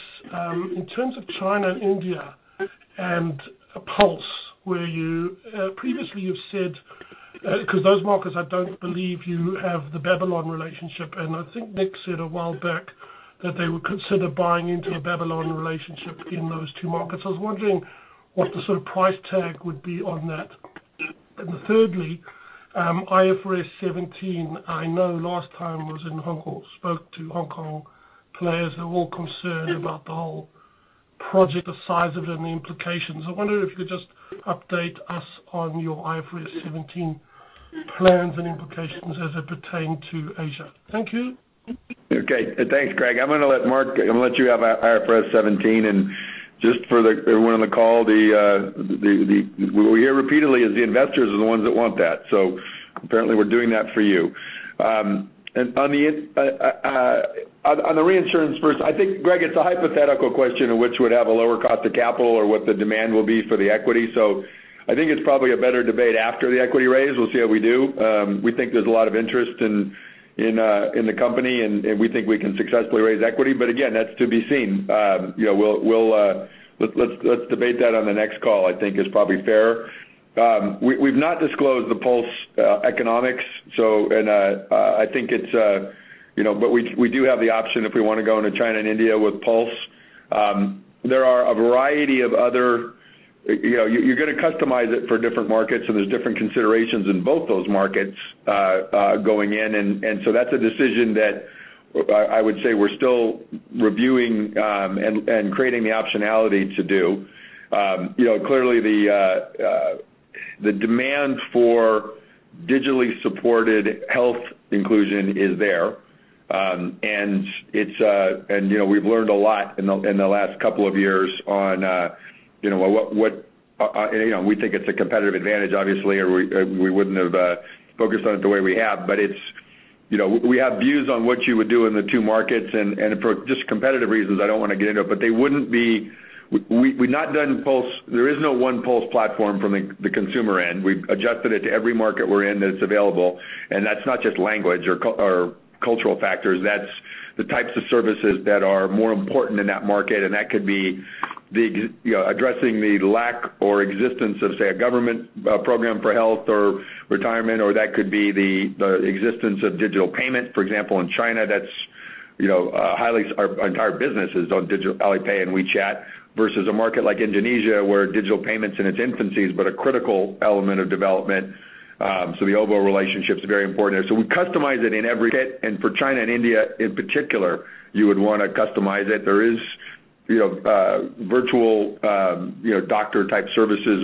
S12: in terms of China and India and Pulse, where you previously you've said, because those markets, I don't believe you have the Babylon relationship, and I think Nic said a while back that they would consider buying into a Babylon relationship in those two markets. I was wondering what the price tag would be on that. Thirdly, IFRS 17, I know last time was in Hong Kong, spoke to Hong Kong players. They're all concerned about the whole project, the size of it and the implications. I wonder if you could just update us on your IFRS 17 plans and implications as it pertained to Asia. Thank you.
S2: Okay. Thanks, Greig. I'm going to let Mark, I'm going to let you have IFRS 17, and just for everyone on the call, what we hear repeatedly is the investors are the ones that want that. Apparently, we're doing that for you. On the reinsurance first, I think Greig, it's a hypothetical question of which would have a lower cost of capital or what the demand will be for the equity. I think it's probably a better debate after the equity raise. We'll see how we do. We think there's a lot of interest in the company, and we think we can successfully raise equity. Again, that's to be seen. Let's debate that on the next call, I think is probably fairer. We've not disclosed the Pulse economics, but we do have the option if we want to go into China and India with Pulse. You're going to customize it for different markets, so there's different considerations in both those markets going in. That's a decision that I would say we're still reviewing and creating the optionality to do. Clearly, the demand for digitally supported health inclusion is there. We've learned a lot in the last couple of years. We think it's a competitive advantage, obviously, or we wouldn't have focused on it the way we have. We have views on what you would do in the two markets, and for just competitive reasons, I don't want to get into it, but they wouldn't be. We've not done Pulse. There is no one Pulse platform from the consumer end. We've adjusted it to every market we're in that it's available, and that's not just language or cultural factors. That's the types of services that are more important in that market. That could be addressing the lack or existence of, say, a government program for health or retirement, or that could be the existence of digital payment. For example, in China, that's our entire business is on digital Alipay and WeChat versus a market like Indonesia where digital payments in its infancy is but a critical element of development. The OVO relationship is very important there. We customize it in every kit. For China and India in particular, you would want to customize it. There is virtual doctor type services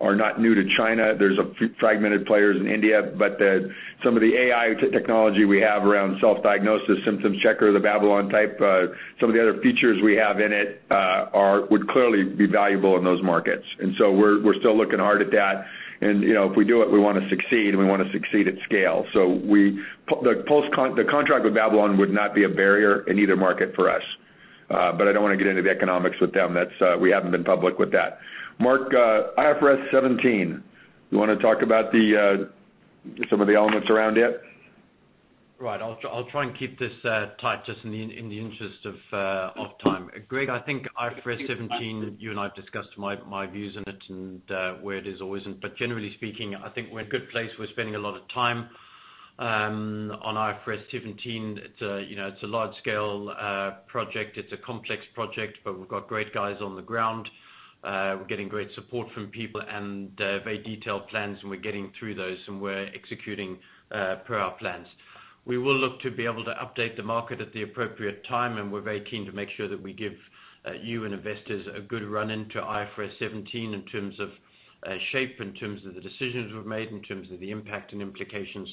S2: are not new to China. There's fragmented players in India. Some of the AI technology we have around self-diagnosis, symptoms checker, the Babylon type, some of the other features we have in it would clearly be valuable in those markets. We're still looking hard at that. If we do it, we want to succeed, and we want to succeed at scale. The contract with Babylon would not be a barrier in either market for us. I don't want to get into the economics with them. We haven't been public with that. Mark, IFRS 17, you want to talk about some of the elements around it?
S4: Right. I'll try and keep this tight just in the interest of time. Greig, I think IFRS 17, you and I have discussed my views in it and where it is always in. Generally speaking, I think we're in a good place. We're spending a lot of time on IFRS 17. It's a large scale project. It's a complex project, but we've got great guys on the ground. We're getting great support from people and very detailed plans, and we're getting through those, and we're executing per our plans. We will look to be able to update the market at the appropriate time, and we're very keen to make sure that we give you and investors a good run into IFRS 17 in terms of shape, in terms of the decisions we've made, in terms of the impact and implications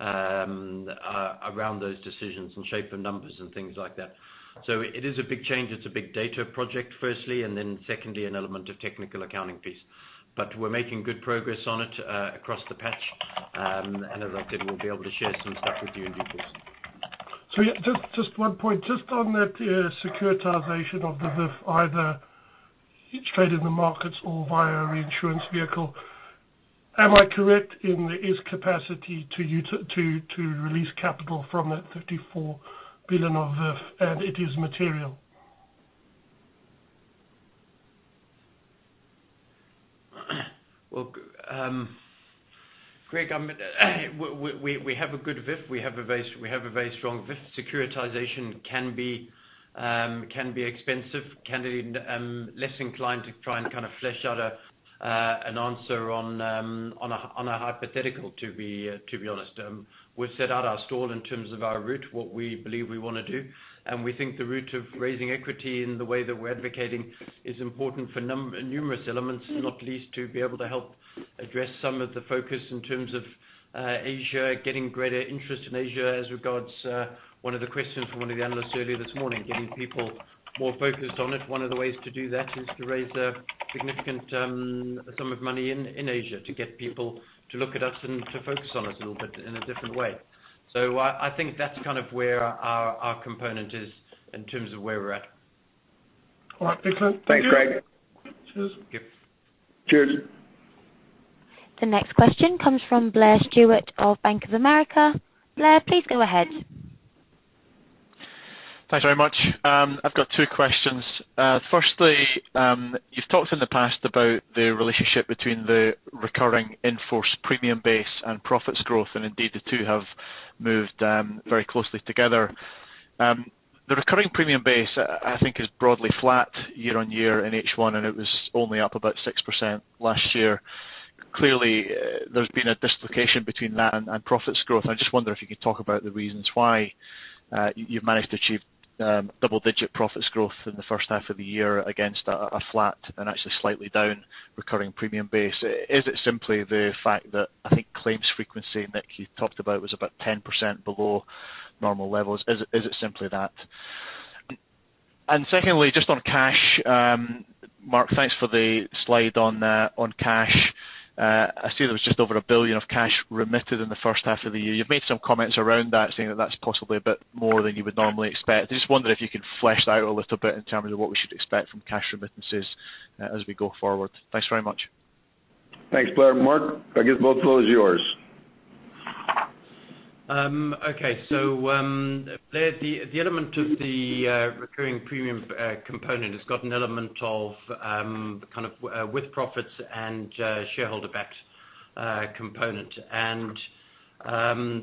S4: around those decisions and shape and numbers and things like that. It is a big change. It's a big data project, firstly, and then secondly, an element of technical accounting piece. We're making good progress on it across the patch. As I said, we'll be able to share some stuff with you in due course.
S12: Yeah, just one point. Just on that securitization of the VIF, either it's traded in the markets or via reinsurance vehicle. Am I correct in there is capacity to release capital from that $34 billion of VIF, and it is material?
S4: Well, Greig, we have a good VIF. We have a very strong VIF. Securitization can be expensive, can be less inclined to try and flesh out an answer on a hypothetical, to be honest. We've set out our stall in terms of our route, what we believe we want to do. We think the route of raising equity in the way that we're advocating is important for numerous elements, not least, to be able to help address some of the focus in terms of Asia, getting greater interest in Asia, as regards one of the questions from one of the analysts earlier this morning, getting people more focused on it. One of the ways to do that is to raise a significant sum of money in Asia to get people to look at us and to focus on us a little bit in a different way. I think that's where our component is in terms of where we're at.
S12: All right. Excellent. Thank you.
S2: Thanks, Greg.
S12: Cheers.
S4: Yep.
S2: Cheers.
S1: The next question comes from Blair Stewart of Bank of America. Blair, please go ahead.
S13: Thanks very much. I've got two questions. Firstly, you've talked in the past about the relationship between the recurring in-force premium base and profits growth, and indeed, the two have moved very closely together. The recurring premium base, I think is broadly flat year-on-year in H1, and it was only up about 6% last year. Clearly, there's been a dislocation between that and profits growth. I just wonder if you could talk about the reasons why you've managed to achieve double-digit profits growth in the first half of the year against a flat and actually slightly down recurring premium base. Is it simply the fact that I think claims frequency, Nic, you talked about was about 10% below normal levels. Is it simply that? Secondly, just on cash. Mark, thanks for the slide on cash. I see there was just over $1 billion of cash remitted in the first half of the year. You've made some comments around that saying that that's possibly a bit more than you would normally expect. I just wonder if you could flesh that out a little bit in terms of what we should expect from cash remittances as we go forward. Thanks very much.
S2: Thanks, Blair. Mark, I guess both of those are yours.
S4: Okay, Blair, the element of the recurring premium component has got an element of with profits and shareholder-backed component.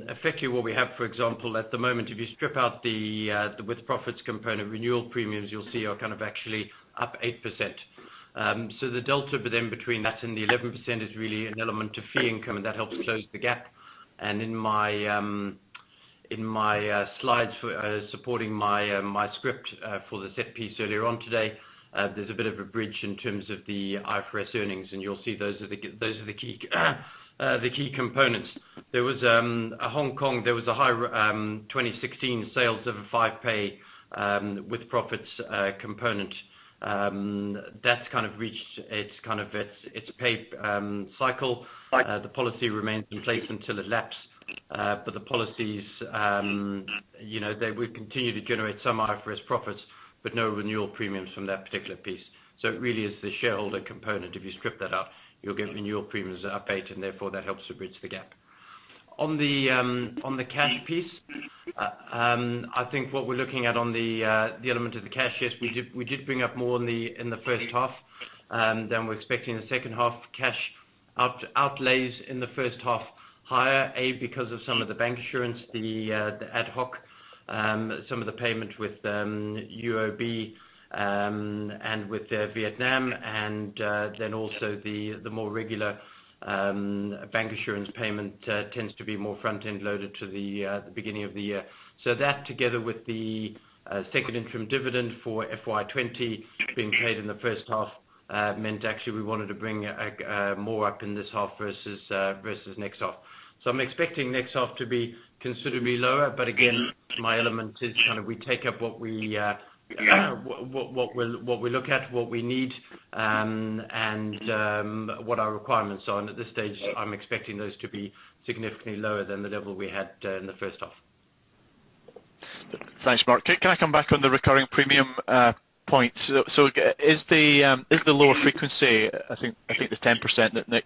S4: Effectively what we have, for example, at the moment, if you strip out the with profits component, renewal premiums, you'll see are actually up 8%. The delta between that and the 11% is really an element of fee income, and that helps close the gap. In my slides supporting my script for the set piece earlier on today, there's a bit of a bridge in terms of the IFRS earnings, and you'll see those are the key components. Hong Kong, there was a high 2016 sales of a 5 Pay with profits component. That's reached its paid cycle. The policy remains in place until it lapses. The policies, they will continue to generate some IFRS profits, but no renewal premiums from that particular piece. It really is the shareholder component. If you strip that out, you'll get renewal premiums that are up 8%, and therefore that helps to bridge the gap. On the cash piece, I think what we're looking at on the element of the cash, yes, we did bring up more in the first half than we're expecting in the second half. Cash outlays in the first half higher, A, because of some of the bancassurance, the ad hoc, some of the payment with UOB, and with Vietnam, and then also the more regular bancassurance payment tends to be more front-end loaded to the beginning of the year. That together with the second interim dividend for FY 2020 being paid in the first half, meant actually we wanted to bring more up in this half versus next half. I'm expecting next half to be considerably lower, but again, my element is we take up what we look at, what we need, and what our requirements are. At this stage, I'm expecting those to be significantly lower than the level we had in the first half.
S13: Thanks, Mark. Can I come back on the recurring premium point? Is the lower frequency, I think the 10% that Nic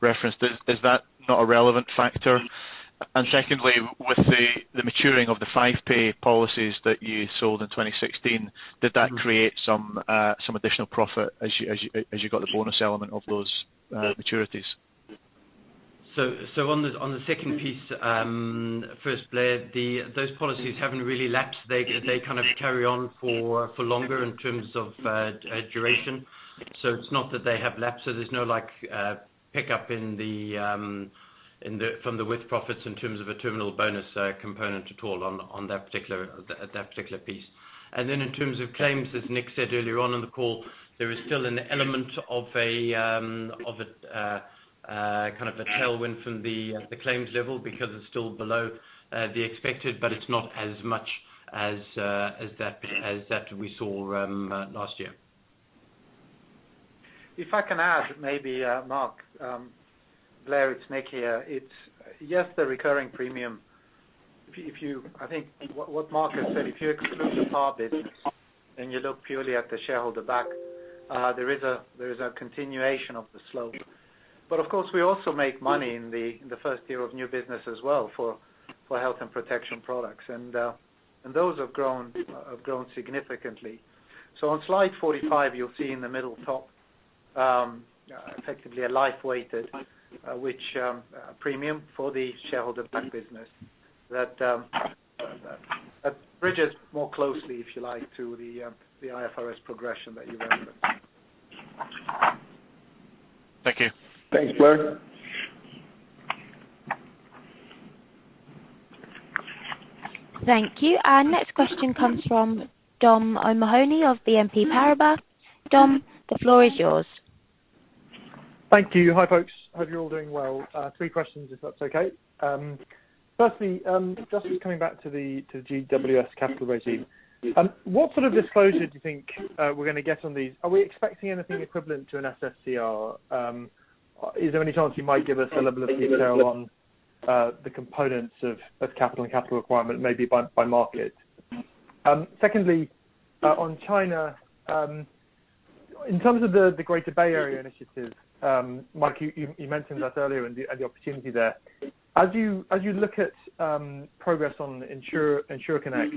S13: referenced, is that not a relevant factor? Secondly, with the maturing of the 5-pay policies that you sold in 2016, did that create some additional profit as you got the bonus element of those maturities?
S4: On the second piece, first, Blair, those policies haven't really lapsed. They kind of carry on for longer in terms of duration. It's not that they have lapsed. There's no pickup from the with-profits in terms of a terminal bonus component at all on that particular piece. In terms of claims, as Nic said earlier on in the call, there is still an element of a kind of a tailwind from the claims level because it's still below the expected, but it's not as much as that we saw last year.
S6: If I can add maybe, Mark. Blair, it's Nic here. Yes, the recurring premium. I think what Mark has said, if you exclude the par bit and you look purely at the shareholder back, there is a continuation of the slope. Of course, we also make money in the first year of new business as well for health and protection products. Those have grown significantly. On slide 45, you'll see in the middle top, effectively a life weighted, which premium for the shareholder-backed business. That bridges more closely, if you like, to the IFRS progression that you referenced.
S13: Thank you.
S2: Thanks, Blair.
S1: Thank you. Our next question comes from Dom O'Mahony of BNP Paribas. Dom, the floor is yours.
S14: Thank you. Hi, folks. Hope you're all doing well. Three questions, if that's okay. Firstly, just coming back to the GWS capital regime. What sort of disclosure do you think we're going to get on these? Are we expecting anything equivalent to an SFCR? Is there any chance you might give us a level of detail on the components of capital and capital requirement, maybe by market? Secondly, on China, in terms of the Greater Bay Area initiative, Mark, you mentioned that earlier and the opportunity there. As you look at progress on Insurance Connect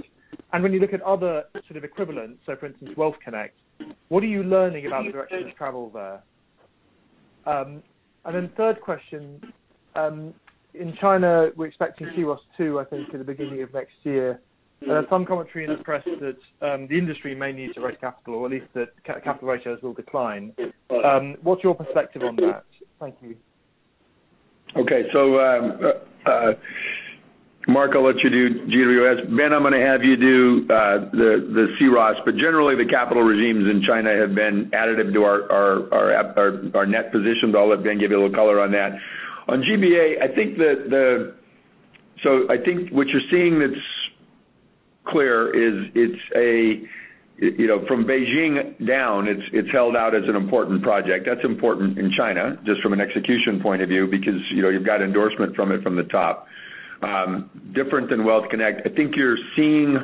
S14: and when you look at other sort of equivalents, so for instance, Wealth Management Connect, what are you learning about the direction of travel there? Third question, in China, we're expecting C-ROSS II, I think, to the beginning of next year. Some commentary in the press that the industry may need to raise capital or at least that capital ratios will decline. What's your perspective on that? Thank you.
S2: Okay. Mark, I'll let you do GWS. Ben, I'm going to have you do the C-ROSS. Generally, the capital regimes in China have been additive to our net positions. I'll let Ben give you a little color on that. On GBA, I think what you're seeing that's clear is from Beijing down, it's held out as an important project. That's important in China, just from an execution point of view, because you've got endorsement from it from the top. Different than Wealth Management Connect. I think you're seeing,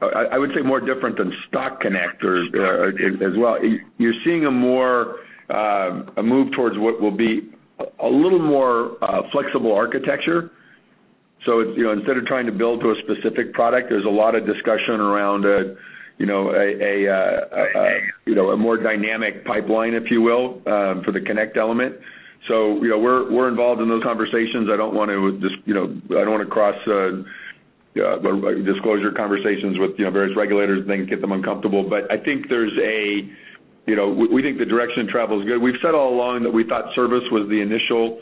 S2: I would say more different than Stock Connect as well. You're seeing a move towards what will be a little more flexible architecture. Instead of trying to build to a specific product, there's a lot of discussion around a more dynamic pipeline, if you will, for the Connect element. We're involved in those conversations. I don't want to cross disclosure conversations with various regulators and then get them uncomfortable. We think the direction of travel is good. We've said all along that we thought service was the initial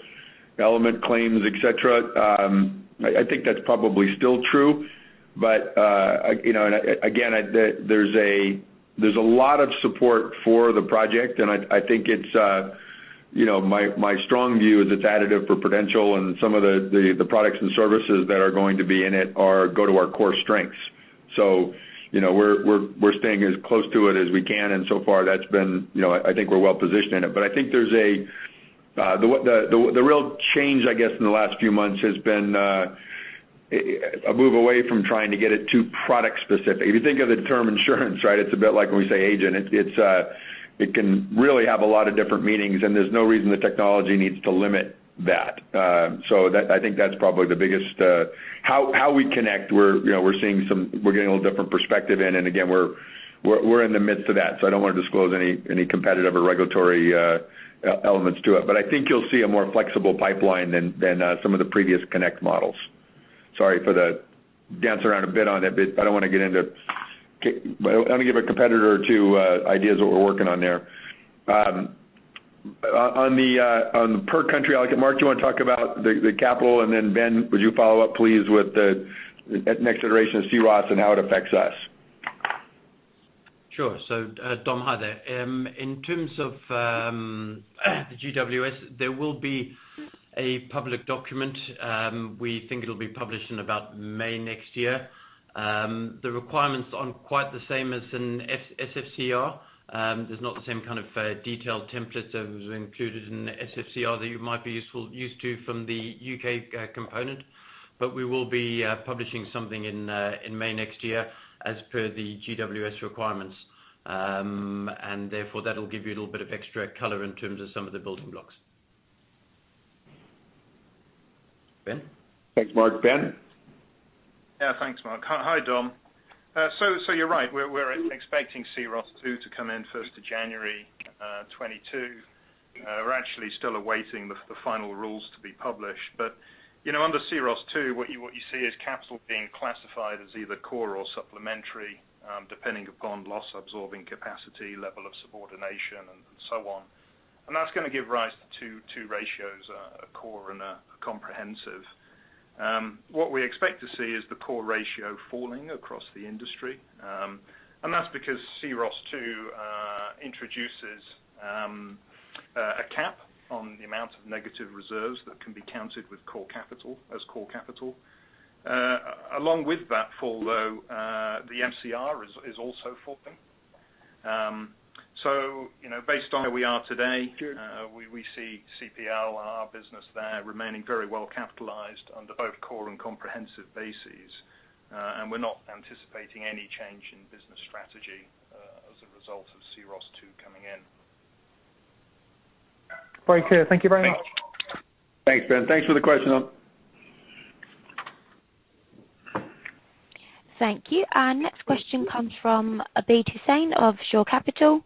S2: element, claims, et cetera. I think that's probably still true. Again, there's a lot of support for the project, and I think my strong view is it's additive for Prudential and some of the products and services that are going to be in it go to our core strengths. We're staying as close to it as we can, and so far I think we're well positioned in it. I think the real change, I guess, in the last few months has been a move away from trying to get it too product specific. If you think of the term insurance, it's a bit like when we say agent. It can really have a lot of different meanings, and there's no reason the technology needs to limit that. I think that's probably the biggest. How we connect, we're getting a little different perspective in, and again, we're in the midst of that, so I don't want to disclose any competitive or regulatory elements to it. I think you'll see a more flexible pipeline than some of the previous Connect models. Sorry for the dance around a bit on it, but I don't want to give a competitor or two ideas of what we're working on there. On the per country allocate, Mark, do you want to talk about the capital? Ben, would you follow up, please, with the next iteration of C-ROSS and how it affects us?
S4: Sure. Dom, hi there. In terms of the GWS, there will be a public document. We think it'll be published in about May next year. The requirements aren't quite the same as in SFCR. There's not the same kind of detailed template that was included in the SFCR that you might be used to from the U.K. component. We will be publishing something in May next year as per the GWS requirements. Therefore, that'll give you a little bit of extra color in terms of some of the building blocks. Ben?
S2: Thanks, Mark. Ben?
S5: Yeah. Thanks, Mark. Hi, Dom. You're right. We're expecting C-ROSS II to come in 1st of January 2022. We're actually still awaiting the final rules to be published. Under C-ROSS II, what you see is capital being classified as either core or supplementary, depending upon loss absorbing capacity, level of subordination, and so on. That's going to give rise to two ratios, a core and a comprehensive. What we expect to see is the core ratio falling across the industry. That's because C-ROSS II introduces a cap on the amount of negative reserves that can be counted as core capital. Along with that fall, though, the MCR is also falling. Based on where we are today, we see CPL business there remaining very well capitalized under both core and comprehensive bases. We're not anticipating any change in business strategy as a result of C-ROSS II coming in.
S14: Very clear. Thank you very much.
S2: Thanks, Ben. Thanks for the question.
S1: Thank you. Our next question comes from Abid Hussain of Shore Capital.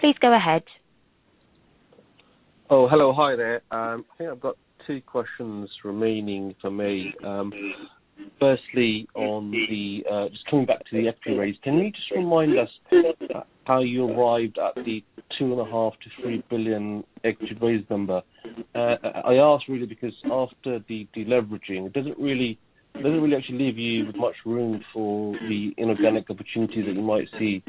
S1: Please go ahead.
S15: Oh, hello. Hi there. I think I've got two questions remaining for me. Just coming back to the equity raise, can you just remind us how you arrived at the $2.5 billion-$3 billion equity raise number? I ask really because after the deleveraging, it doesn't really actually leave you with much room for the inorganic opportunities that you might see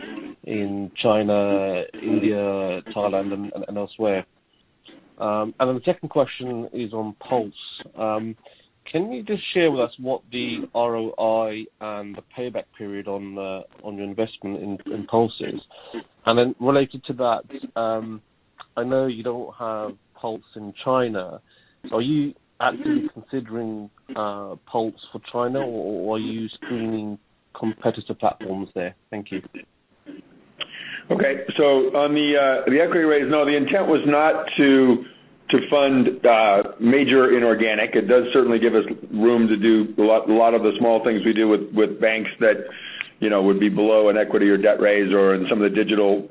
S15: in China, India, Thailand, and elsewhere. The second question is on Pulse. Can you just share with us what the ROI and the payback period on your investment in Pulse is? Related to that, I know you don't have Pulse in China. Are you actively considering Pulse for China, or are you screening competitor platforms there? Thank you.
S2: On the equity raise, no, the intent was not to fund major inorganic. It does certainly give us room to do a lot of the small things we do with banks that would be below an equity or debt raise or in some of the digital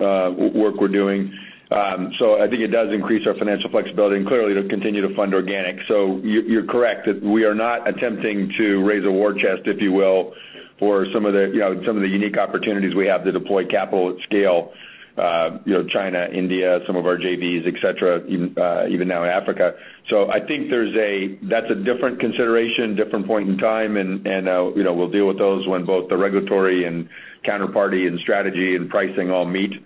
S2: work we're doing. I think it does increase our financial flexibility, and clearly, it'll continue to fund organic. You're correct that we are not attempting to raise a war chest, if you will, for some of the unique opportunities we have to deploy capital at scale. China, India, some of our JVs, et cetera, even now in Africa. I think that's a different consideration, different point in time, and we'll deal with those when both the regulatory and counterparty and strategy and pricing all meet.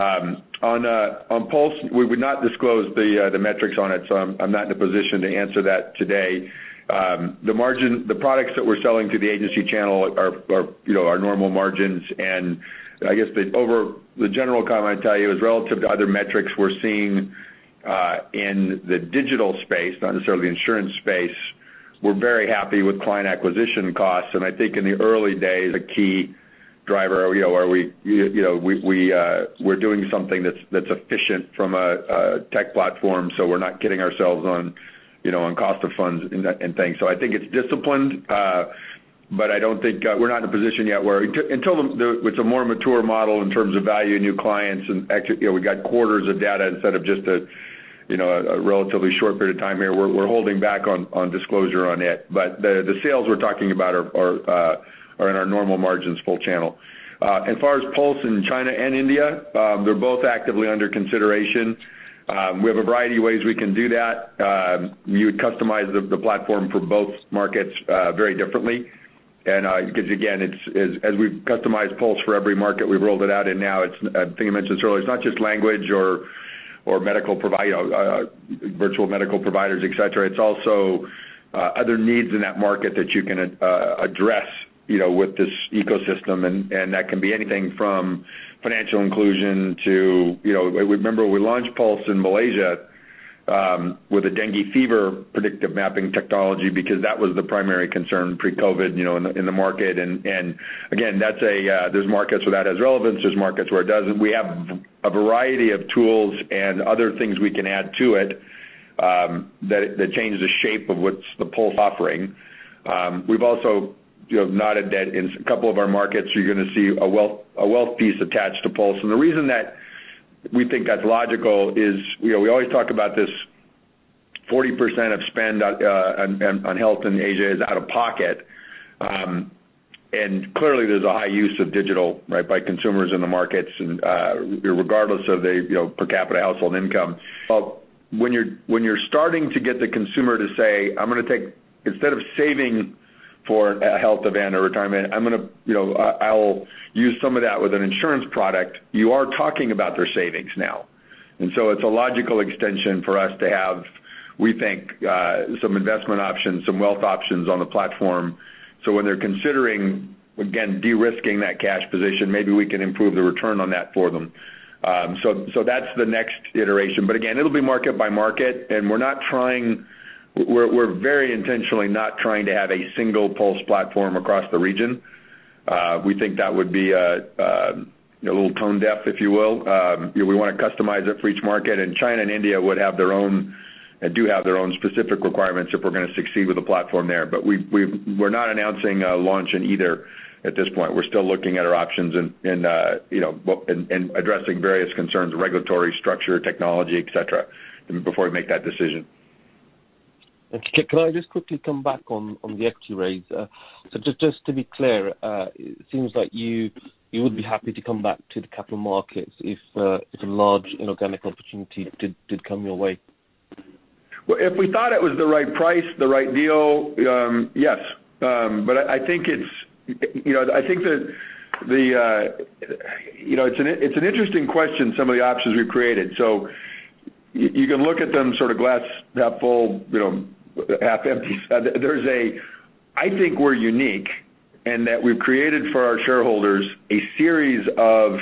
S2: On Pulse, we would not disclose the metrics on it. I'm not in a position to answer that today. The products that we're selling through the agency channel are normal margins. I guess the general comment I'd tell you is relative to other metrics we're seeing in the digital space, not necessarily the insurance space. We're very happy with client acquisition costs. I think in the early days, a key driver, we're doing something that's efficient from a tech platform. We're not getting ourselves on cost of funds and things. I think it's disciplined, but we're not in a position yet until it's a more mature model in terms of value in new clients, and we got quarters of data instead of just a relatively short period of time here. We're holding back on disclosure on it. The sales we're talking about are in our normal margins full channel. As far as Pulse in China and India, they're both actively under consideration. We have a variety of ways we can do that. You would customize the platform for both markets very differently. Again, as we've customized Pulse for every market we've rolled it out in now, I think I mentioned this earlier, it's not just language or virtual medical providers, et cetera. It's also other needs in that market that you can address with this ecosystem, and that can be anything from financial inclusion to remember we launched Pulse in Malaysia with a dengue fever predictive mapping technology because that was the primary concern pre-COVID in the market. Again, there's markets where that has relevance, there's markets where it doesn't. We have a variety of tools and other things we can add to it that changes the shape of what's the Pulse offering. We've also nodded that in a couple of our markets, you're going to see a wealth piece attached to Pulse. The reason that we think that's logical is, we always talk about this 40% of spend on health in Asia is out of pocket. Clearly, there's a high use of digital by consumers in the markets, regardless of the per capita household income. When you're starting to get the consumer to say, "Instead of saving for a health event or retirement, I'll use some of that with an insurance product," you are talking about their savings now. It's a logical extension for us to have, we think, some investment options, some wealth options on the platform. When they're considering, again, de-risking that cash position, maybe we can improve the return on that for them. That's the next iteration. Again, it'll be market by market, and we're very intentionally not trying to have a single Pulse platform across the region. We think that would be a little tone-deaf, if you will. We want to customize it for each market. China and India would have their own, and do have their own specific requirements if we're going to succeed with a platform there. We're not announcing a launch in either at this point. We're still looking at our options and addressing various concerns, regulatory, structure, technology, et cetera, before we make that decision.
S15: Okay. Can I just quickly come back on the equity raise? Just to be clear, it seems like you would be happy to come back to the capital markets if a large inorganic opportunity did come your way.
S2: Well, if we thought it was the right price, the right deal, yes. It's an interesting question, some of the options we've created. You can look at them sort of glass half full, half empty. I think we're unique in that we've created for our shareholders a series of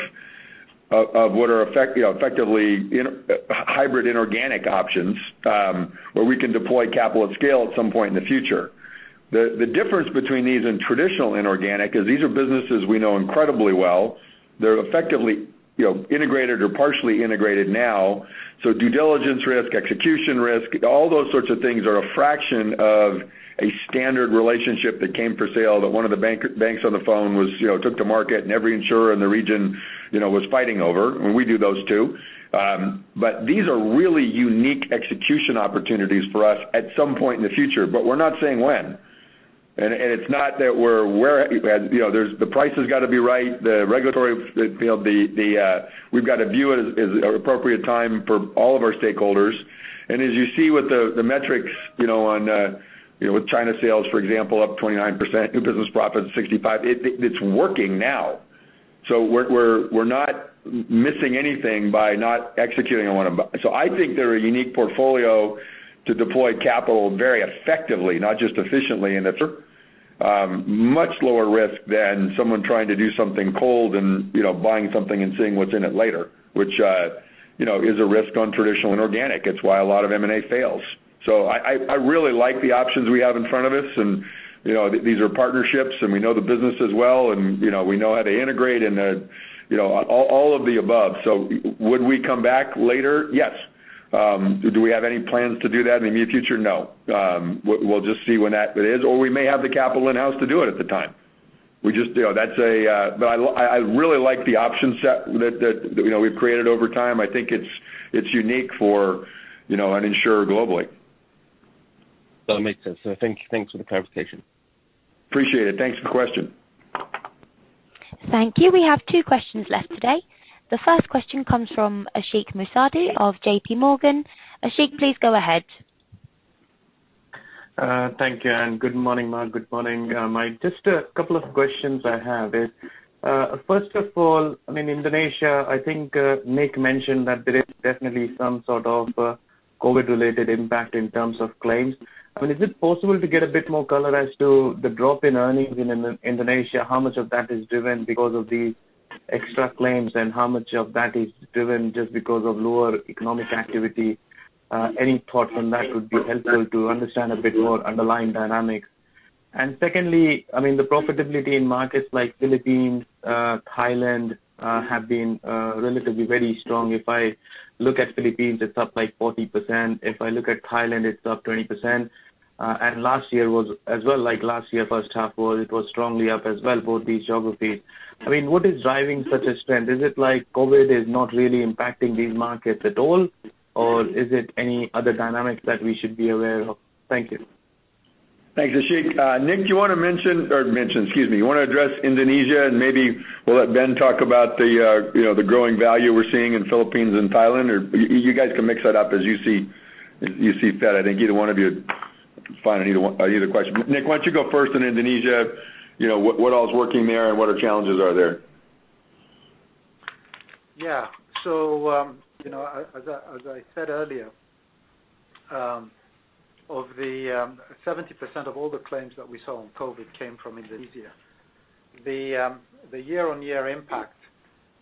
S2: what are effectively hybrid inorganic options, where we can deploy capital at scale at some point in the future. The difference between these and traditional inorganic is these are businesses we know incredibly well. They're effectively integrated or partially integrated now. Due diligence risk, execution risk, all those sorts of things are a fraction of a standard relationship that came for sale, that one of the banks on the phone took to market and every insurer in the region was fighting over, and we do those, too. These are really unique execution opportunities for us at some point in the future, but we're not saying when. It's not that we're aware. The price has got to be right. We've got to view it as an appropriate time for all of our stakeholders. As you see with the metrics with China sales, for example, up 29%, new business profits 65%, it's working now. We're not missing anything by not executing on one of. I think they're a unique portfolio to deploy capital very effectively, not just efficiently in that they're much lower risk than someone trying to do something cold and buying something and seeing what's in it later, which is a risk on traditional inorganic. It's why a lot of M&A fails. I really like the options we have in front of us, and these are partnerships, and we know the businesses well, and we know how to integrate and all of the above. Would we come back later? Yes. Do we have any plans to do that in the near future? No. We'll just see when that is, or we may have the capital in-house to do it at the time. I really like the option set that we've created over time. I think it's unique for an insurer globally.
S15: That makes sense. Thanks for the conversation.
S2: Appreciate it. Thanks for the question.
S1: Thank you. We have two questions left today. The first question comes from Ashik Musaddi of JPMorgan. Ashik, please go ahead.
S16: Thank you, and good morning, Mark. Good morning, Mike. Just a couple of questions I have is, first of all, in Indonesia, I think Nic mentioned that there is definitely some sort of COVID-related impact in terms of claims. Is it possible to get a bit more color as to the drop in earnings in Indonesia? How much of that is driven because of the extra claims, and how much of that is driven just because of lower economic activity? Any thought from that would be helpful to understand a bit more underlying dynamics. Secondly, the profitability in markets like Philippines, Thailand, have been relatively very strong. If I look at Philippines, it's up like 40%. If I look at Thailand, it's up 20%. Last year was as well, like last year first half, it was strongly up as well, both these geographies. What is driving such a trend? Is it like COVID is not really impacting these markets at all, or is it any other dynamics that we should be aware of? Thank you.
S2: Thanks, Ashik. Nic, do you want to address Indonesia and maybe we'll let Ben talk about the growing value we're seeing in Philippines and Thailand? You guys can mix that up as you see fit. I think either one of you, fine on either question. Nic, why don't you go first on Indonesia? What all is working there, and what challenges are there?
S6: As I said earlier, 70% of all the claims that we saw on COVID came from Indonesia. The year-on-year impact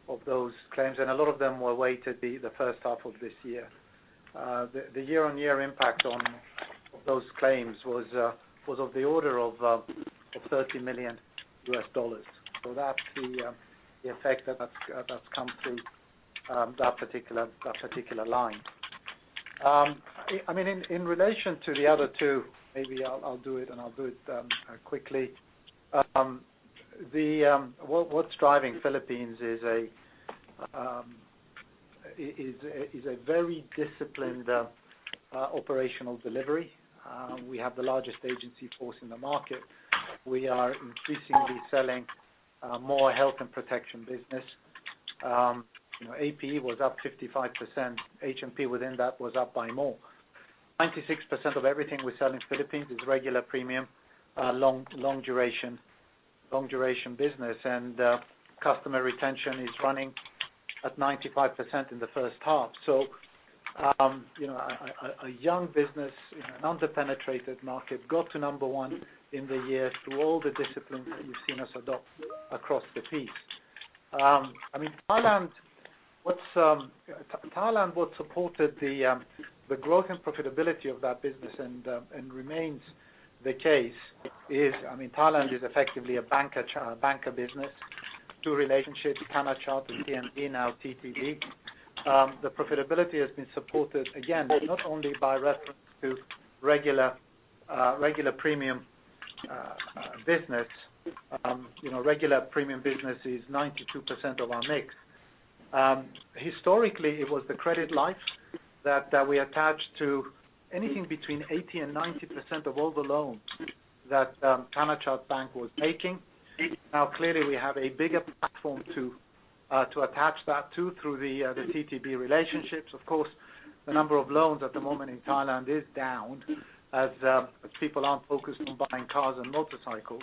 S6: of those claims, a lot of them were weighted the first half of this year. The year-on-year impact of those claims was of the order of $30 million. That's the effect that's come through that particular line. In relation to the other two, maybe I'll do it, I'll do it quickly. What's driving Philippines is a very disciplined operational delivery. We have the largest agency force in the market. We are increasingly selling more health and protection business. APE was up 55%. H&P within that was up by more. 96% of everything we sell in Philippines is regular premium, long duration business. Customer retention is running at 95% in the first half. A young business in an under-penetrated market got to number one in the year through all the disciplines that you've seen us adopt across the piece. Thailand, what supported the growth and profitability of that business, and remains the case is, Thailand is effectively a banker business. Two relationships, Thanachart and TMB, now TTB. The profitability has been supported again, not only by reference to regular premium business. Regular premium business is 92% of our mix. Historically, it was the credit life that we attached to anything between 80% and 90% of all the loans that Thanachart Bank was making. Now, clearly, we have a bigger platform to attach that to through the TTB relationships. Of course, the number of loans at the moment in Thailand is down as people aren't focused on buying cars and motorcycles.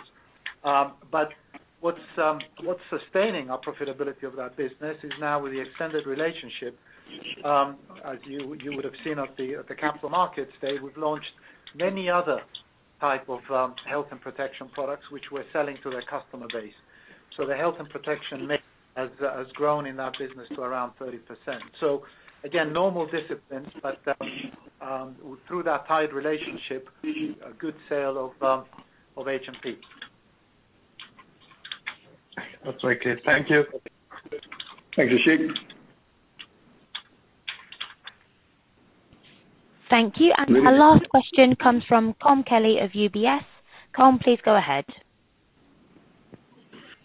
S6: What's sustaining our profitability of that business is now with the extended relationship. You would have seen at the capital markets day, we've launched many other type of health and protection products, which we're selling to their customer base. The health and protection mix has grown in that business to around 30%. Again, normal disciplines, but through that tied relationship, a good sale of H&P.
S16: That's very clear. Thank you.
S2: Thanks, Ashik.
S1: Thank you. Our last question comes from Colm Kelly of UBS. Colm, please go ahead.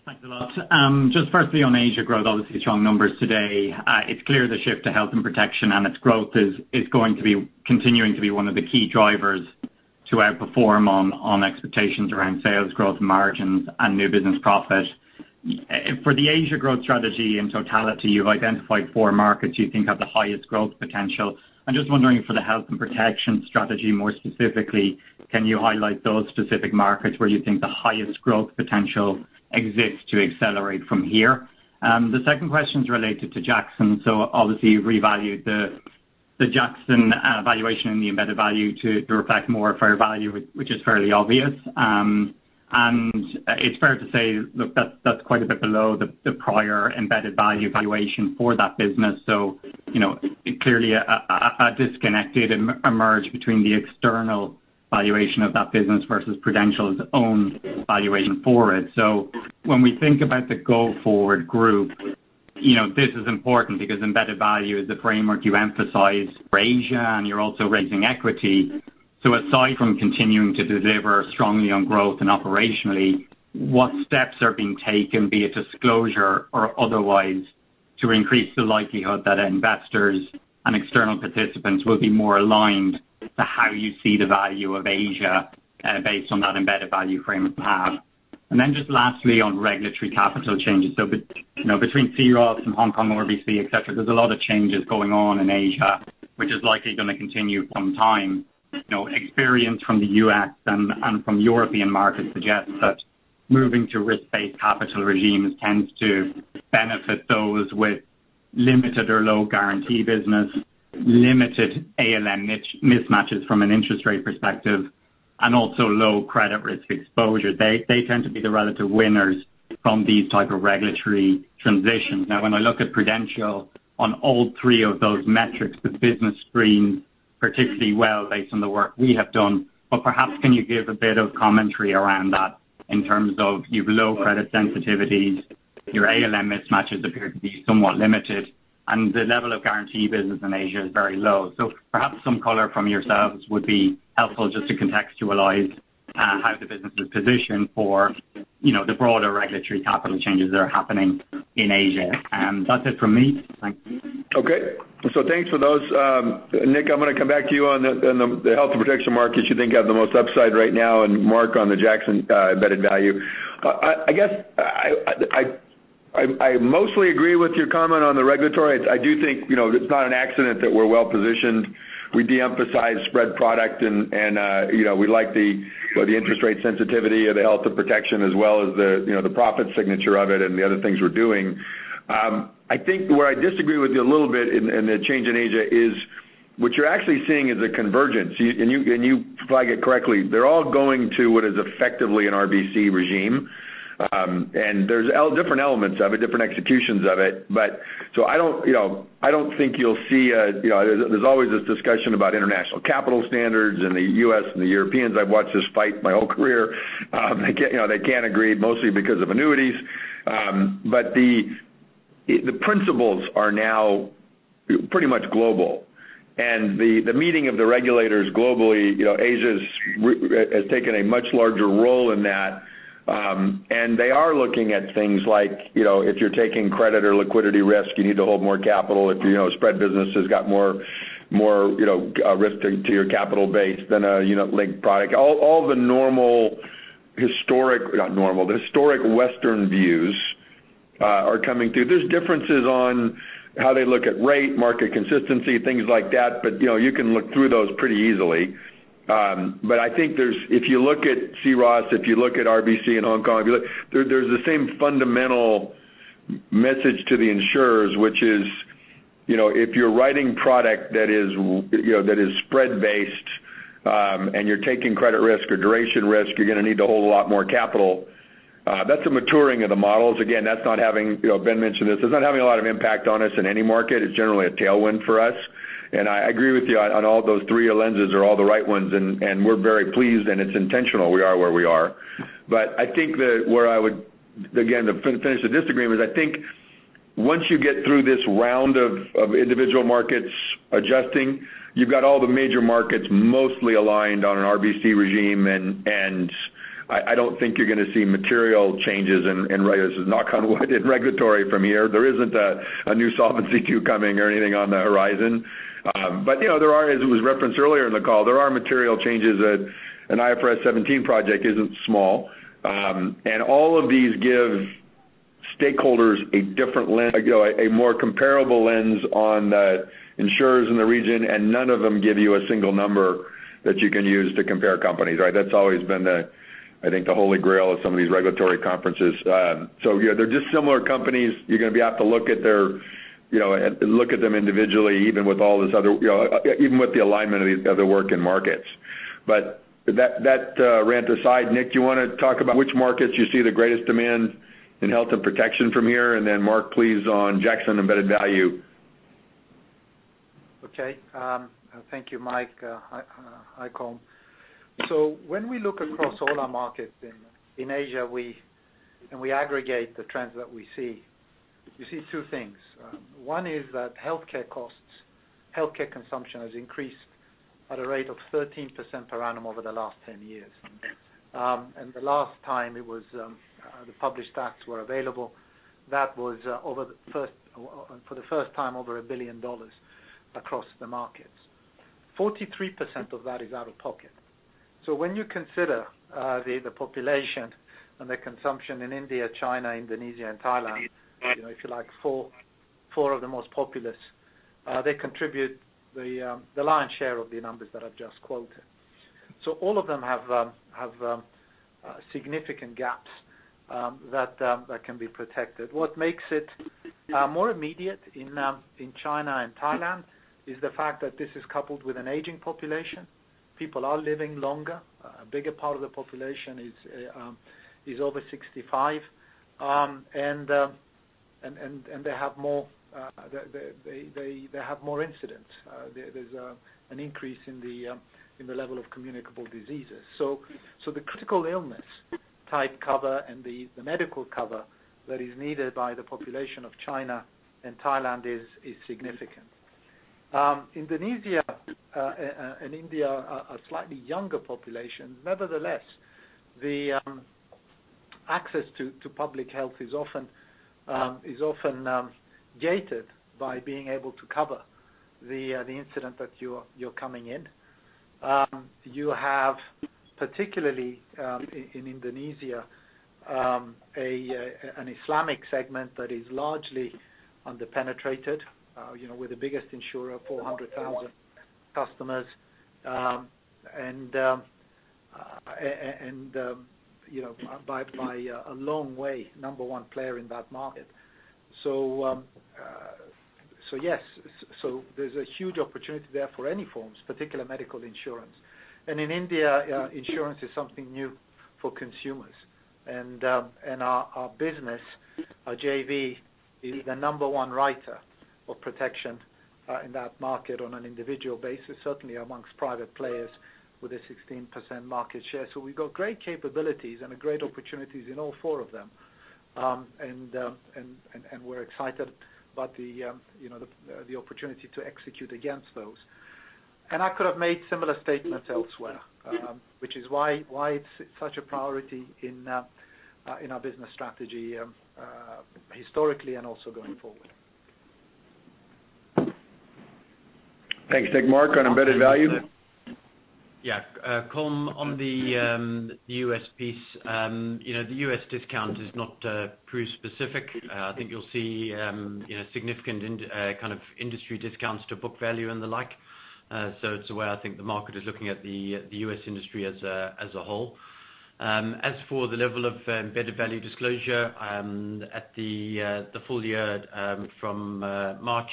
S17: Thanks a lot. Firstly, on Asia growth, obviously strong numbers today. It's clear the shift to health and protection and its growth is going to be continuing to be one of the key drivers to outperform on expectations around sales growth margins and new business profit. For the Asia growth strategy in totality, you've identified four markets you think have the highest growth potential. I'm just wondering for the health and protection strategy, more specifically, can you highlight those specific markets where you think the highest growth potential exists to accelerate from here? The second question is related to Jackson. Obviously you revalued the Jackson valuation and the embedded value to reflect more fair value, which is fairly obvious. It's fair to say, look, that's quite a bit below the prior embedded value valuation for that business. Clearly a disconnect did emerge between the external valuation of that business versus Prudential's own valuation for it. When we think about the go forward group, this is important because embedded value is the framework you emphasize for Asia, and you're also raising equity. Aside from continuing to deliver strongly on growth and operationally, what steps are being taken, be it disclosure or otherwise, to increase the likelihood that investors and external participants will be more aligned to how you see the value of Asia based on that embedded value framework you have. Just lastly, on regulatory capital changes. Between C-ROSS and Hong Kong RBC, et cetera, there's a lot of changes going on in Asia, which is likely going to continue some time. Experience from the U.S. and from European markets suggests that moving to risk-based capital regimes tends to benefit those with limited or low guarantee business, limited ALM mismatches from an interest rate perspective, and also low credit risk exposure. They tend to be the relative winners from these type of regulatory transitions. When I look at Prudential on all three of those metrics, the business screens particularly well based on the work we have done. Perhaps, can you give a bit of commentary around that in terms of your low credit sensitivities, your ALM mismatches appear to be somewhat limited, and the level of guarantee business in Asia is very low. Perhaps some color from yourselves would be helpful just to contextualize how the business is positioned for the broader regulatory capital changes that are happening in Asia. That's it from me. Thank you.
S2: Okay. Thanks for those. Nic, I'm going to come back to you on the health and protection markets you think have the most upside right now, and Mark on the Jackson embedded value. I mostly agree with your comment on the regulatory. I do think it's not an accident that we're well-positioned. We de-emphasize spread product, we like the interest rate sensitivity of the health and protection as well as the profit signature of it and the other things we're doing. I think where I disagree with you a little bit in the change in Asia is what you're actually seeing is a convergence, you flag it correctly. They're all going to what is effectively an RBC regime. There's different elements of it, different executions of it. There's always this discussion about international capital standards in the U.S. and the Europeans. I've watched this fight my whole career. They can't agree mostly because of annuities. The principles are now pretty much global, and the meeting of the regulators globally, Asia has taken a much larger role in that. They are looking at things like, if you're taking credit or liquidity risk, you need to hold more capital. If your spread business has got more risk to your capital base than a unit-linked product. All the normal, historic, not normal, the historic Western views are coming through. There's differences on how they look at rate, market consistency, things like that, but you can look through those pretty easily. I think if you look at C-ROSS, if you look at RBC in Hong Kong, there's the same fundamental message to the insurers, which is, if you're writing product that is spread-based, and you're taking credit risk or duration risk, you're going to need to hold a lot more capital. That's a maturing of the models. Again, Ben mentioned this. It's not having a lot of impact on us in any market. It's generally a tailwind for us. I agree with you on all those three lenses are all the right ones, and we're very pleased, and it's intentional. We are where we are. I think that where I would, again, to finish the disagreement is, I think once you get through this round of individual markets adjusting, you've got all the major markets mostly aligned on an RBC regime, and I don't think you're going to see material changes in, knock on wood, in regulatory from here. There isn't a new Solvency II coming or anything on the horizon. There are, as it was referenced earlier in the call, there are material changes. An IFRS 17 project isn't small. All of these give stakeholders a more comparable lens on the insurers in the region, and none of them give you a single number that you can use to compare companies, right? That's always been the, I think, the holy grail of some of these regulatory conferences. Yeah, they're just similar companies. You're going to have to look at them individually, even with the alignment of the work in markets. That rant aside, Nic, do you want to talk about which markets you see the greatest demand in health and protection from here, and then Mark, please, on Jackson embedded value?
S6: Okay. Thank you, Mike. Hi, Colm. When we look across all our markets in Asia, and we aggregate the trends that we see, you see two things. One is that healthcare costs, healthcare consumption has increased at a rate of 13% per annum over the last 10 years. The last time the published stats were available, that was for the first time over $1 billion across the markets. 43% of that is out of pocket. When you consider the population and the consumption in India, China, Indonesia, and Thailand, if you like, four of the most populous, they contribute the lion's share of the numbers that I've just quoted. All of them have significant gaps that can be protected. What makes it more immediate in China and Thailand is the fact that this is coupled with an aging population. People are living longer. A bigger part of the population is over 65. They have more incidents. There's an increase in the level of communicable diseases. The critical illness type cover and the medical cover that is needed by the population of China and Thailand is significant. Indonesia and India are a slightly younger population. Nevertheless, the access to public health is often gated by being able to cover the incident that you're coming in. You have, particularly in Indonesia, an Islamic segment that is largely under-penetrated, with the biggest insurer, 400,000 customers. By a long way, number one player in that market. Yes. There's a huge opportunity there for any forms, particularly medical insurance. In India, insurance is something new for consumers. Our business, our JV, is the number one writer for protection in that market on an individual basis, certainly amongst private players with a 16% market share. We've got great capabilities and great opportunities in all four of them. We're excited about the opportunity to execute against those. I could have made similar statements elsewhere, which is why it's such a priority in our business strategy historically and also going forward.
S2: Thanks. Nic. Mark, on embedded value?
S4: Yeah. Colm, on the U.S. piece, the U.S. discount is not pretty specific. I think you'll see significant kind of industry discounts to book value and the like. It's the way I think the market is looking at the U.S. industry as a whole. As for the level of embedded value disclosure, at the full year from March.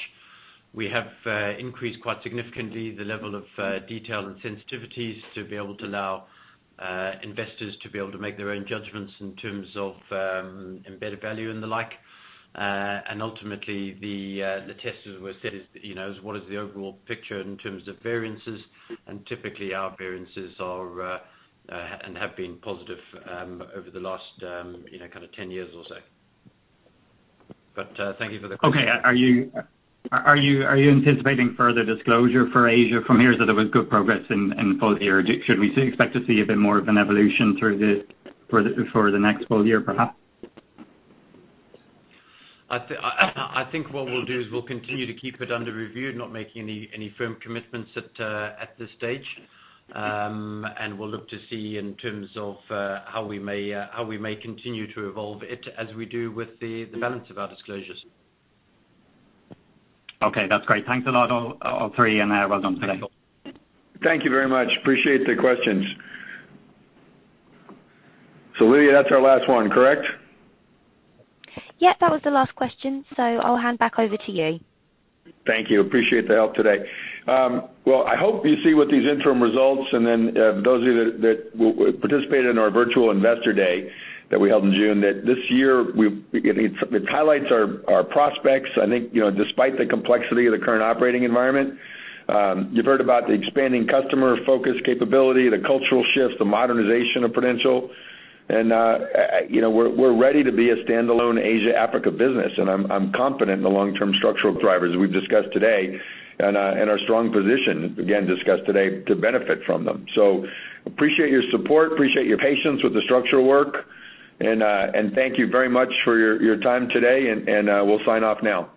S4: We have increased quite significantly the level of detail and sensitivities to be able to allow investors to be able to make their own judgments in terms of embedded value and the like. Ultimately, the test, as we said, is what is the overall picture in terms of variances? Typically, our variances are and have been positive over the last kind of 10 years or so. Thank you for the question.
S17: Okay. Are you anticipating further disclosure for Asia from here as there was good progress in the full year? Should we expect to see a bit more of an evolution through this for the next full year, perhaps?
S4: I think what we'll do is we'll continue to keep it under review, not making any firm commitments at this stage. We'll look to see in terms of how we may continue to evolve it as we do with the balance of our disclosures.
S17: Okay, that's great. Thanks a lot, all three, and well done today.
S2: Thank you very much. Appreciate the questions. Lydia, that's our last one, correct?
S1: Yep, that was the last question. I'll hand back over to you.
S2: Thank you. Appreciate the help today. Well, I hope you see with these interim results, those of you that participated in our virtual investor day that we held in June, that this year it highlights our prospects, I think, despite the complexity of the current operating environment. You've heard about the expanding customer focus capability, the cultural shift, the modernization of Prudential, and we're ready to be a standalone Asia Africa business. I'm confident in the long-term structural drivers we've discussed today and our strong position, again, discussed today to benefit from them. Appreciate your support, appreciate your patience with the structural work, and thank you very much for your time today, and we'll sign off now.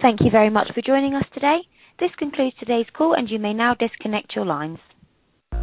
S1: Thank you very much for joining us today. This concludes today's call, and you may now disconnect your lines.